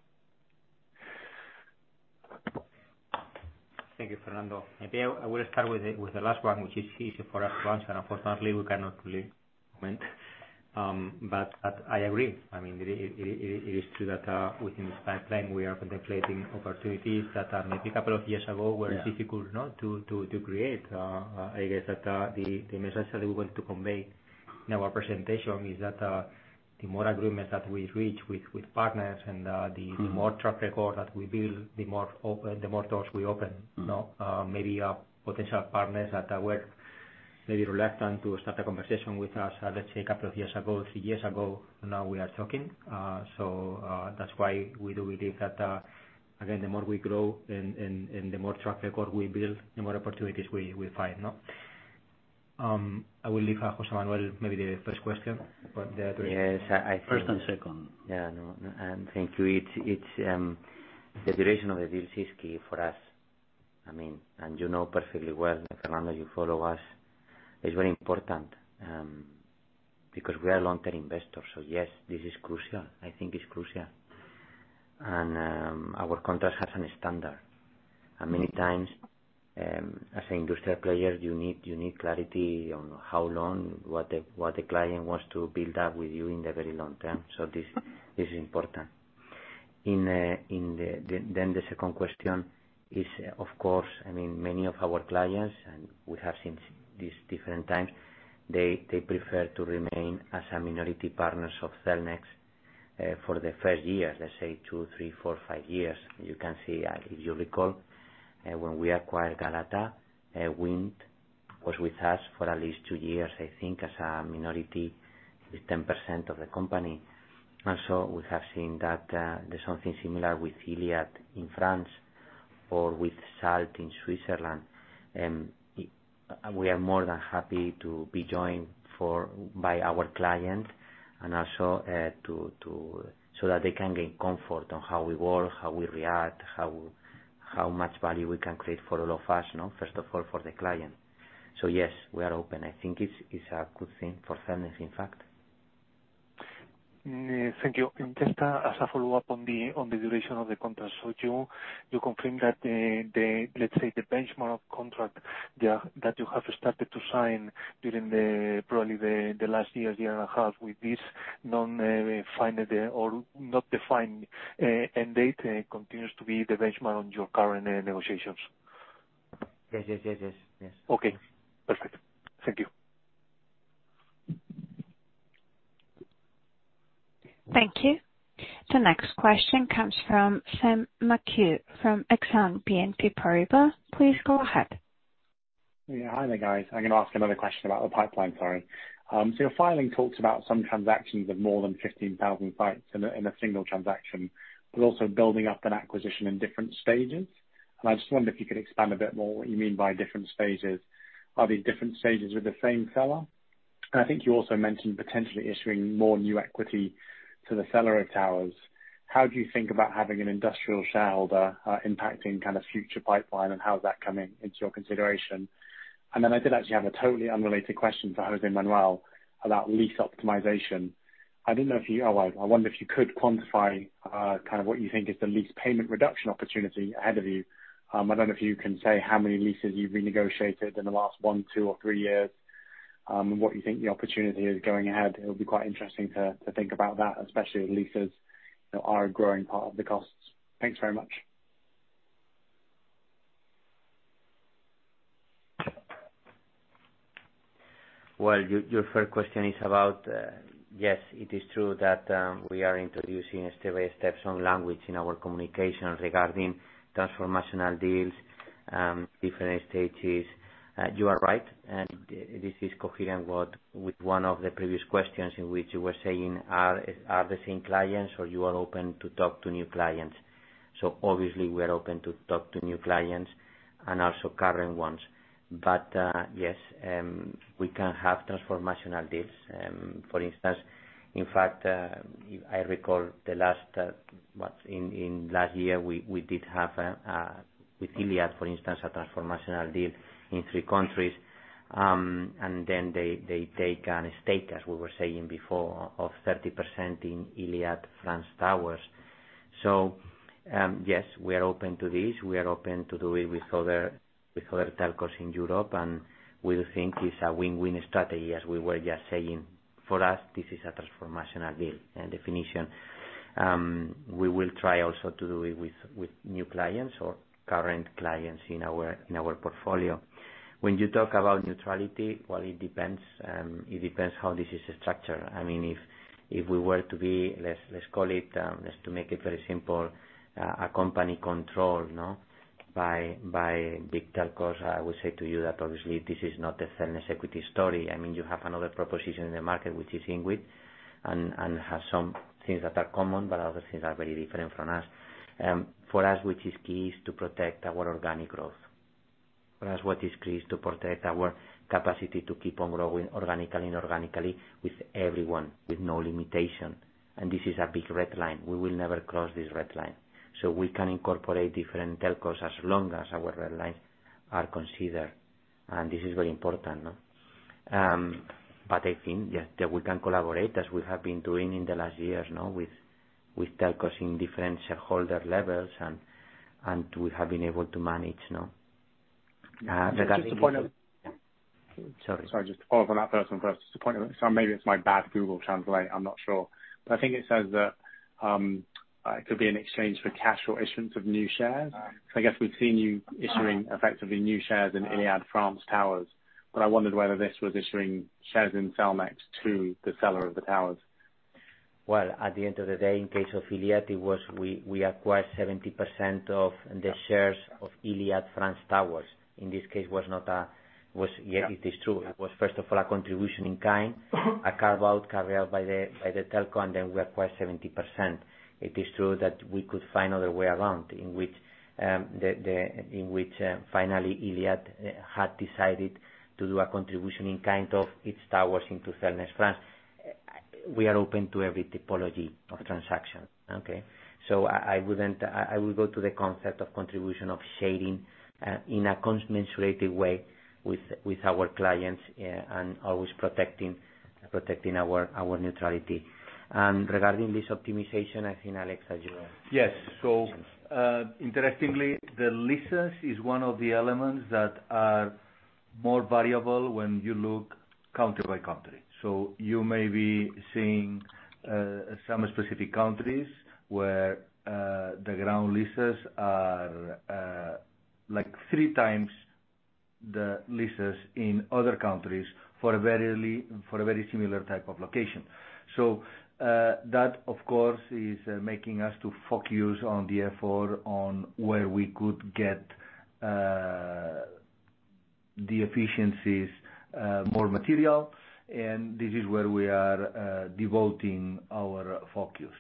Thank you, Fernando. I will start with the last one, which is easy for us to answer. Unfortunately, we cannot comment. But I agree. I mean, it is true that within this pipeline, we are contemplating opportunities that maybe a couple of years ago were difficult to create. I guess that the message that we want to convey in our presentation is that the more agreements that we reach with partners and the more track record that we build, the more doors we open. Maybe potential partners that were maybe reluctant to start a conversation with us, let's say, a couple of years ago, three years ago, now we are talking. So that's why we do believe that, again, the more we grow and the more track record we build, the more opportunities we find. I will leave José Manuel maybe the first question, but the. Yes, I think. Second. Yeah. And thank you. The duration of the deals is key for us. I mean, and you know perfectly well, Fernando, you follow us. It's very important because we are long-term investors. So yes, this is crucial. I think it's crucial. And our contract has a standard. And many times, as an industrial player, you need clarity on how long, what the client wants to build up with you in the very long term. So this is important. Then the second question is, of course, I mean, many of our clients, and we have seen this different times, they prefer to remain as minority partners of Cellnex for the first year, let's say, two, three, four, five years. You can see, if you recall, when we acquired Galata, Wind was with us for at least two years, I think, as a minority with 10% of the company. And so we have seen that there's something similar with Iliad in France or with Salt in Switzerland. We are more than happy to be joined by our clients and also so that they can gain comfort on how we work, how we react, how much value we can create for all of us, first of all, for the client. So yes, we are open. I think it's a good thing for Cellnex, in fact. Thank you. And just as a follow-up on the duration of the contract. So you confirmed that, let's say, the benchmark contract that you have started to sign during probably the last year, year and a half with this non-defined or not defined end date continues to be the benchmark on your current negotiations. Yes, yes, yes, yes. Okay. Perfect. Thank you. Thank you. The next question comes from Sam McHugh from Exane BNP Paribas. Please go ahead. Yeah. Hi there, guys. I'm going to ask another question about the pipeline, sorry. So your filing talks about some transactions of more than 15,000 sites in a single transaction, but also building up an acquisition in different stages. And I just wondered if you could expand a bit more what you mean by different stages. Are these different stages with the same seller? And I think you also mentioned potentially issuing more new equity to the seller of towers. How do you think about having an industrial shareholder impacting kind of future pipeline, and how is that coming into your consideration? And then I did actually have a totally unrelated question for José Manuel about less optimization. I don't know if you - oh, I wonder if you could quantify kind of what you think is the less payment reduction opportunity ahead of you. I don't know if you can say how many leasses you've renegotiated in the last one, two, or three years and what you think the opportunity is going ahead. It would be quite interesting to think about that, especially as leasses are a growing part of the costs. Thanks very much. Your first question is about, yes, it is true that we are introducing step-by-step some language in our communication regarding transformational deals, different stages. You are right, and this is coherent with one of the previous questions in which you were saying, are the same clients or you are open to talk to new clients? Obviously, we are open to talk to new clients and also current ones, but yes, we can have transformational deals. For instance, in fact, I recall the last in last year, we did have with Iliad, for instance, a transformational deal in three countries, and then they take a stake, as we were saying before, of 30% in Iliad France Towers. Yes, we are open to this. We are open to do it with other telcos in Europe, and we think it's a win-win strategy, as we were just saying. For us, this is a transformational deal and definition. We will try also to do it with new clients or current clients in our portfolio. When you talk about neutrality, well, it depends how this is structured. I mean, if we were to be, let's call it, let's make it very simple, a company controlled by big telcos, I would say to you that obviously this is not a Cellnex equity story. I mean, you have another proposition in the market, which is INWIT, and has some things that are common, but other things are very different from us. For us, what is key is to protect our organic growth. For us, what is key is to protect our capacity to keep on growing organically and organically with everyone, with no limitation, and this is a big red line. We will never cross this red line. So we can incorporate different telcos as long as our red lines are considered. And this is very important. But I think that we can collaborate, as we have been doing in the last years, with telcos in different shareholder levels, and we have been able to manage. Sorry, just to follow up on that first one. Sorry, maybe it's my bad Google translate. I'm not sure. But I think it says that it could be an exchange for cash or issuance of new shares. So I guess we've seen you issuing effectively new shares in Iliad France Towers. But I wondered whether this was issuing shares in Cellnex to the seller of the towers. At the end of the day, in case of Iliad, we acquired 70% of the shares of Iliad France Towers. In this case, it was not a. It is true. It was, first of all, a contribution in kind, a carve-out carried out by the telco, and then we acquired 70%. It is true that we could find another way around in which finally Iliad had decided to do a contribution in kind of its towers into Cellnex France. We are open to every typology of transaction. Okay? I would go to the concept of contribution of sharing in a commensurated way with our clients and always protecting our neutrality. Regarding less optimization, I think, Alex, as you mentioned. Yes. So interestingly, the leases is one of the elements that are more variable when you look country by country. So you may be seeing some specific countries where the ground leases are like three times the leases in other countries for a very similar type of location. So that, of course, is making us to focus on the effort on where we could get the efficiencies more material. And this is where we are devoting our focus.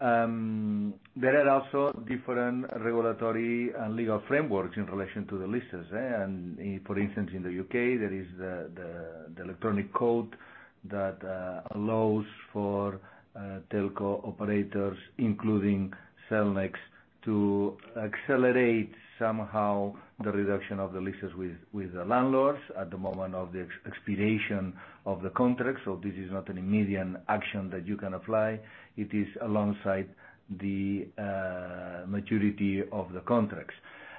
There are also different regulatory and legal frameworks in relation to the leases. And for instance, in the U.K., there is the Electronic Code that allows for telco operators, including Cellnex, to accelerate somehow the reduction of the leases with the landlords at the moment of the expiration of the contract. So this is not an immediate action that you can apply. It is alongside the maturity of the contracts.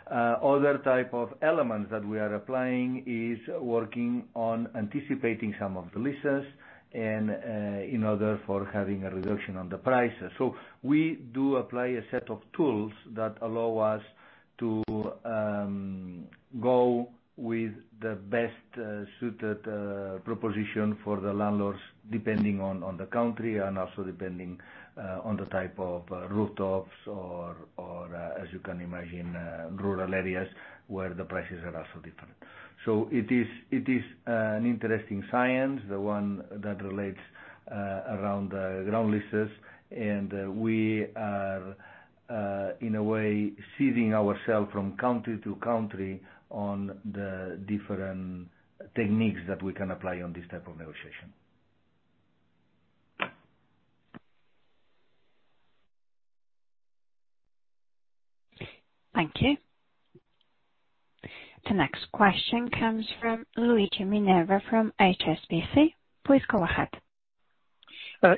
Other type of elements that we are applying is working on anticipating some of the leases in order for having a reduction on the prices. So we do apply a set of tools that allow us to go with the best suited proposition for the landlords depending on the country and also depending on the type of rooftops or, as you can imagine, rural areas where the prices are also different. So it is an interesting science, the one that relates around the ground leases. And we are, in a way, seeding ourselves from country to country on the different techniques that we can apply on this type of negotiation. Thank you. The next question comes from Luigi Minerva from HSBC. Please go ahead.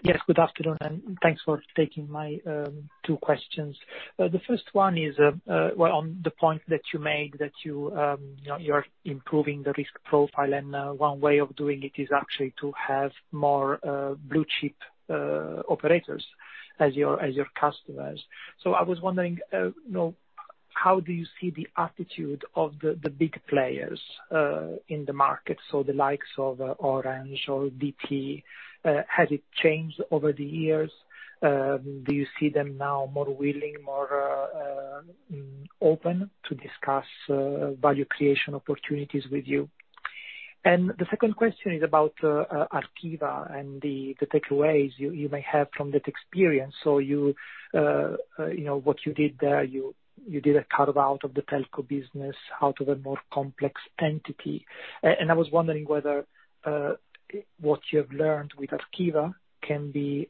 Yes, good afternoon, and thanks for taking my two questions. The first one is, well, on the point that you made that you are improving the risk profile, and one way of doing it is actually to have more blue chip operators as your customers. So I was wondering, how do you see the attitude of the big players in the market? So the likes of Orange or BT, has it changed over the years? Do you see them now more willing, more open to discuss value creation opportunities with you? And the second question is about Arqiva and the takeaways you may have from that experience. So what you did there, you did a carve-out of the telco business out of a more complex entity. And I was wondering whether what you have learned with Arqiva can be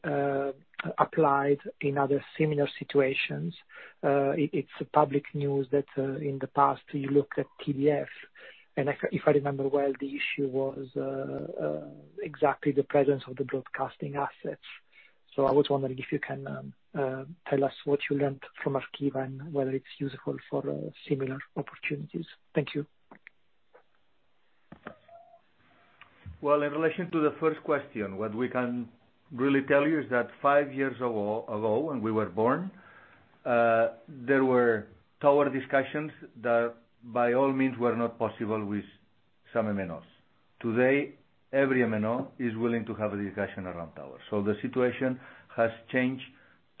applied in other similar situations. It's public news that in the past, you looked at TDF, and if I remember well, the issue was exactly the presence of the broadcasting assets, so I was wondering if you can tell us what you learned from Arqiva and whether it's useful for similar opportunities. Thank you. In relation to the first question, what we can really tell you is that five years ago when we were born, there were tower discussions that by all means were not possible with some MNOs. Today, every MNO is willing to have a discussion around towers. So the situation has changed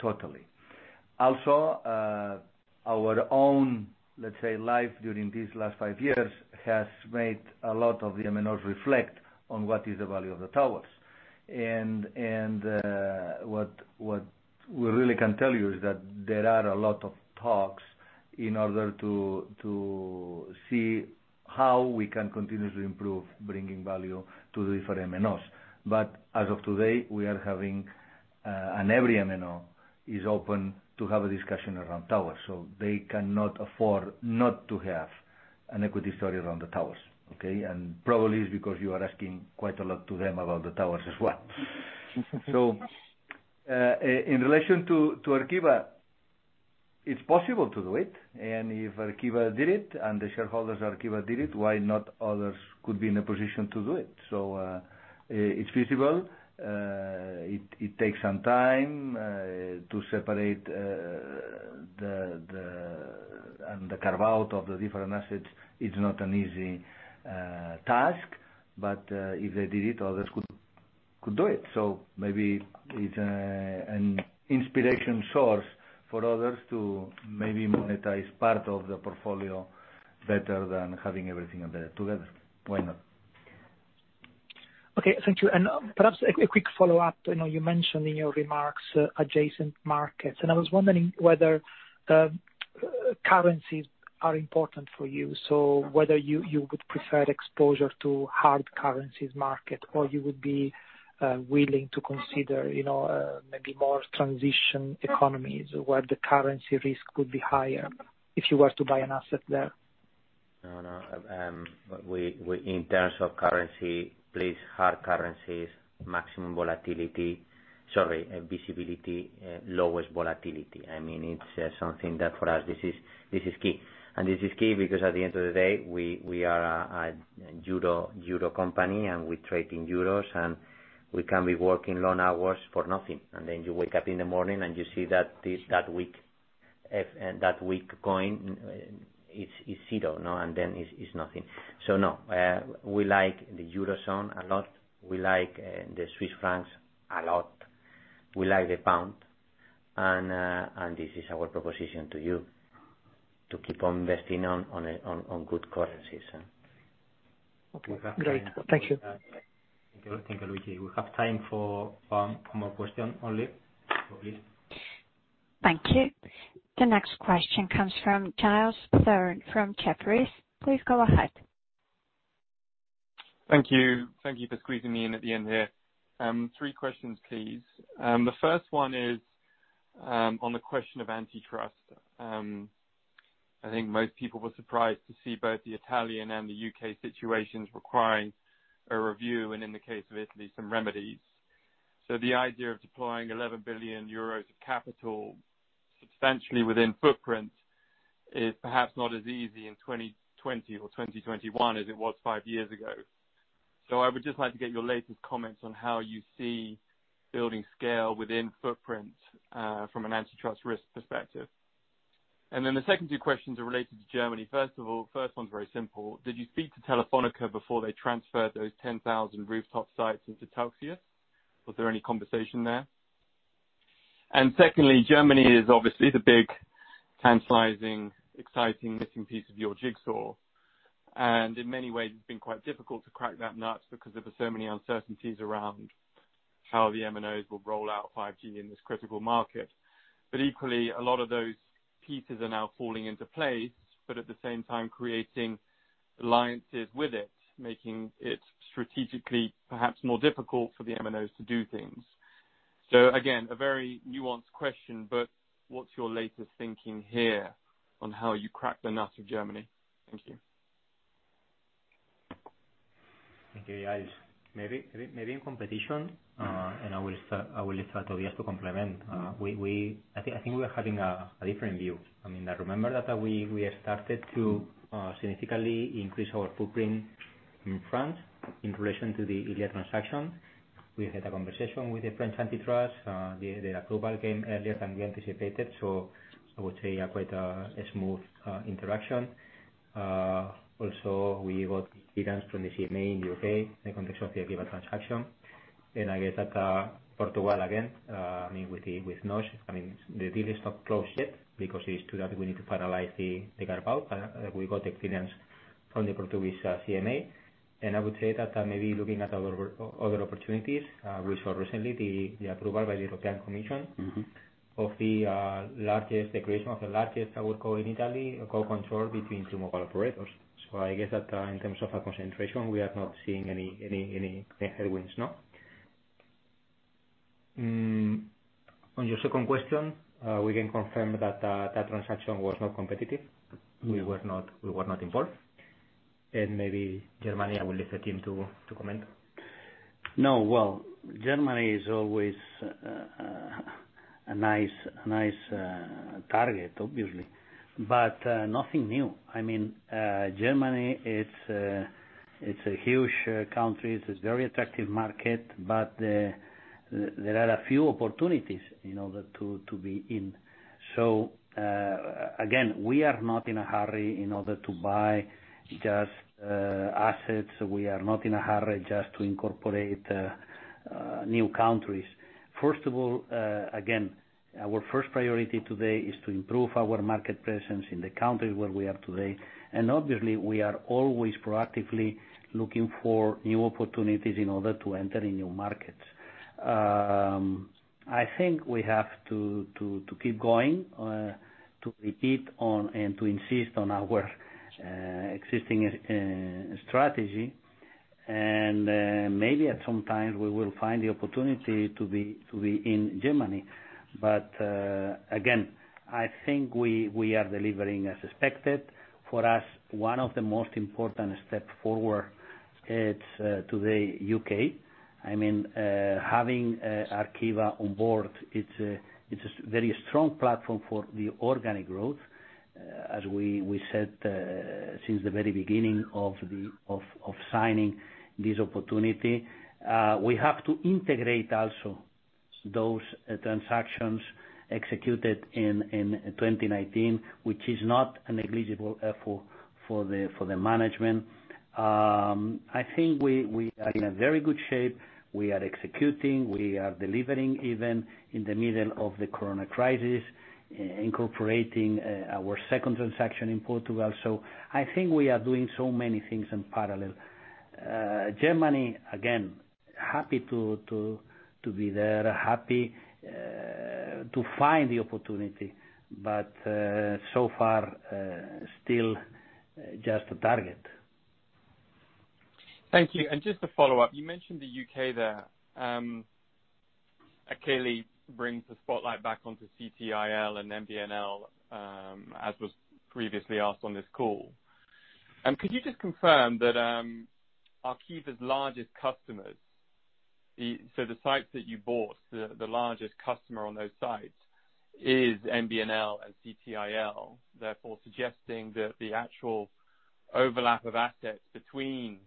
totally. Also, our own, let's say, life during these last five years has made a lot of the MNOs reflect on what is the value of the towers. And what we really can tell you is that there are a lot of talks in order to see how we can continuously improve bringing value to the different MNOs. But as of today, we are having an every MNO is open to have a discussion around towers. So they cannot afford not to have an equity story around the towers. Okay? And probably it's because you are asking quite a lot to them about the towers as well. So in relation to Arqiva, it's possible to do it. And if Arqiva did it and the shareholders of Arqiva did it, why not others could be in a position to do it? So it's feasible. It takes some time to separate the carve-out of the different assets. It's not an easy task. But if they did it, others could do it. So maybe it's an inspiration source for others to maybe monetize part of the portfolio better than having everything together. Why not? Okay. Thank you. And perhaps a quick follow-up. You mentioned in your remarks adjacent markets. And I was wondering whether currencies are important for you. So whether you would prefer exposure to hard currencies market or you would be willing to consider maybe more transition economies where the currency risk would be higher if you were to buy an asset there? No, no. In terms of currency, please, hard currencies, maximum volatility. Sorry, visibility, lowest volatility. I mean, it's something that for us, this is key. And this is key because at the end of the day, we are a euro company, and we trade in euros, and we can be working long hours for nothing. And then you wake up in the morning, and you see that that weak coin is zero, and then it's nothing. So no, we like the Eurozone a lot. We like the Swiss francs a lot. We like the pound. And this is our proposition to you, to keep on investing on good currencies. Okay. Great. Thank you. Thank you, Luigi. We have time for one more question only, please. Thank you. The next question comes from Giles Thorne from Jefferies. Please go ahead. Thank you. Thank you for squeezing me in at the end here. Three questions, please. The first one is on the question of antitrust. I think most people were surprised to see both the Italian and the U.K. situations requiring a review and, in the case of Italy, some remedies. So the idea of deploying 11 billion euros of capital substantially within footprint is perhaps not as easy in 2020 or 2021 as it was five years ago. So I would just like to get your latest comments on how you see building scale within footprint from an antitrust risk perspective. And then the second two questions are related to Germany. First of all, the first one's very simple. Did you speak to Telefónica before they transferred those 10,000 rooftop sites into Telxius? Was there any conversation there? And secondly, Germany is obviously the big tantalizing, exciting, missing piece of your jigsaw. And in many ways, it's been quite difficult to crack that nut because there were so many uncertainties around how the MNOs will roll out 5G in this critical market. But equally, a lot of those pieces are now falling into place, but at the same time, creating alliances with it, making it strategically perhaps more difficult for the MNOs to do things. So again, a very nuanced question, but what's your latest thinking here on how you crack the nut of Germany? Thank you. Thank you, Alex. Maybe in competition, and I will let Tobías complement. I think we are having a different view. I mean, I remember that we started to significantly increase our footprint in France in relation to the Iliad transaction. We had a conversation with the French antitrust. The approval came earlier than we anticipated. So I would say quite a smooth interaction. Also, we got experience from the CMA in the U.K. in the context of the Iliad transaction, and I guess that Portugal again, I mean, with NOS, I mean, the deal is not closed yet because it is too early. We need to finalize the carve-out. We got experience from the Portuguese CMA. And I would say that maybe looking at other opportunities, we saw recently the approval by the European Commission of the largest creation of the largest towerco in Italy, joint control between two mobile operators. So I guess that in terms of concentration, we are not seeing any headwinds. On your second question, we can confirm that that transaction was not competitive. We were not involved. And maybe Germany, I will let the team comment. No, well, Germany is always a nice target, obviously, but nothing new. I mean, Germany, it's a huge country. It's a very attractive market, but there are a few opportunities in order to be in. So again, we are not in a hurry in order to buy just assets. We are not in a hurry just to incorporate new countries. First of all, again, our first priority today is to improve our market presence in the countries where we are today, and obviously, we are always proactively looking for new opportunities in order to enter in new markets. I think we have to keep going, to repeat on, and to insist on our existing strategy, and maybe at some time, we will find the opportunity to be in Germany, but again, I think we are delivering as expected. For us, one of the most important steps forward is today, U.K. I mean, having Arqiva on board, it's a very strong platform for the organic growth, as we said since the very beginning of signing this opportunity. We have to integrate also those transactions executed in 2019, which is not negligible for the management. I think we are in very good shape. We are executing. We are delivering even in the middle of the Corona crisis, incorporating our second transaction in Portugal. So I think we are doing so many things in parallel. Germany, again, happy to be there, happy to find the opportunity. But so far, still just a target. Thank you, and just to follow up, you mentioned the U.K. there. Clearly, brings the spotlight back onto CTIL and MBNL, as was previously asked on this call. And could you just confirm that Arqiva's largest customers, so the sites that you bought, the largest customer on those sites is MBNL and CTIL, therefore suggesting that the actual overlap of assets between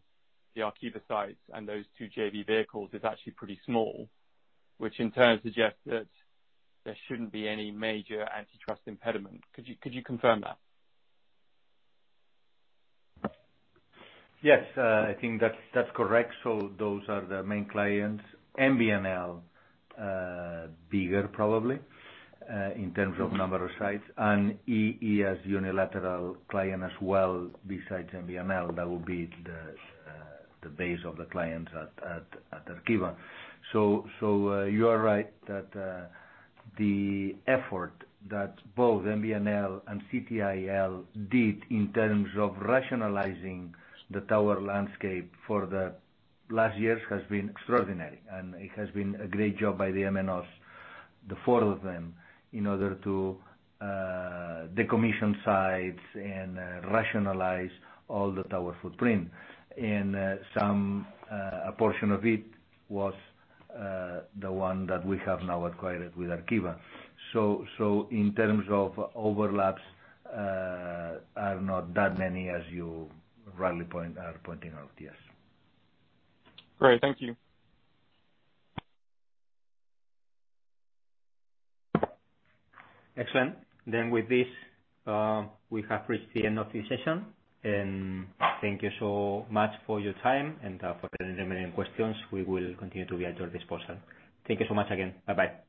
the Arqiva sites and those two JV vehicles is actually pretty small, which in turn suggests that there shouldn't be any major antitrust impediment. Could you confirm that? Yes, I think that's correct. So those are the main clients. MBNL, bigger probably in terms of number of sites. And EE as unilateral client as well besides MBNL. That would be the base of the clients at Arqiva. So you are right that the effort that both MBNL and CTIL did in terms of rationalizing the tower landscape for the last years has been extraordinary. And it has been a great job by the MNOs, the four of them, in order to decommission sites and rationalize all the tower footprint. And a portion of it was the one that we have now acquired with Arqiva. So in terms of overlaps, there are not that many as you rightly are pointing out, yes. Great. Thank you. Excellent. Then with this, we have reached the end of the session. And thank you so much for your time. And for any remaining questions, we will continue to be at your disposal. Thank you so much again. Bye-bye.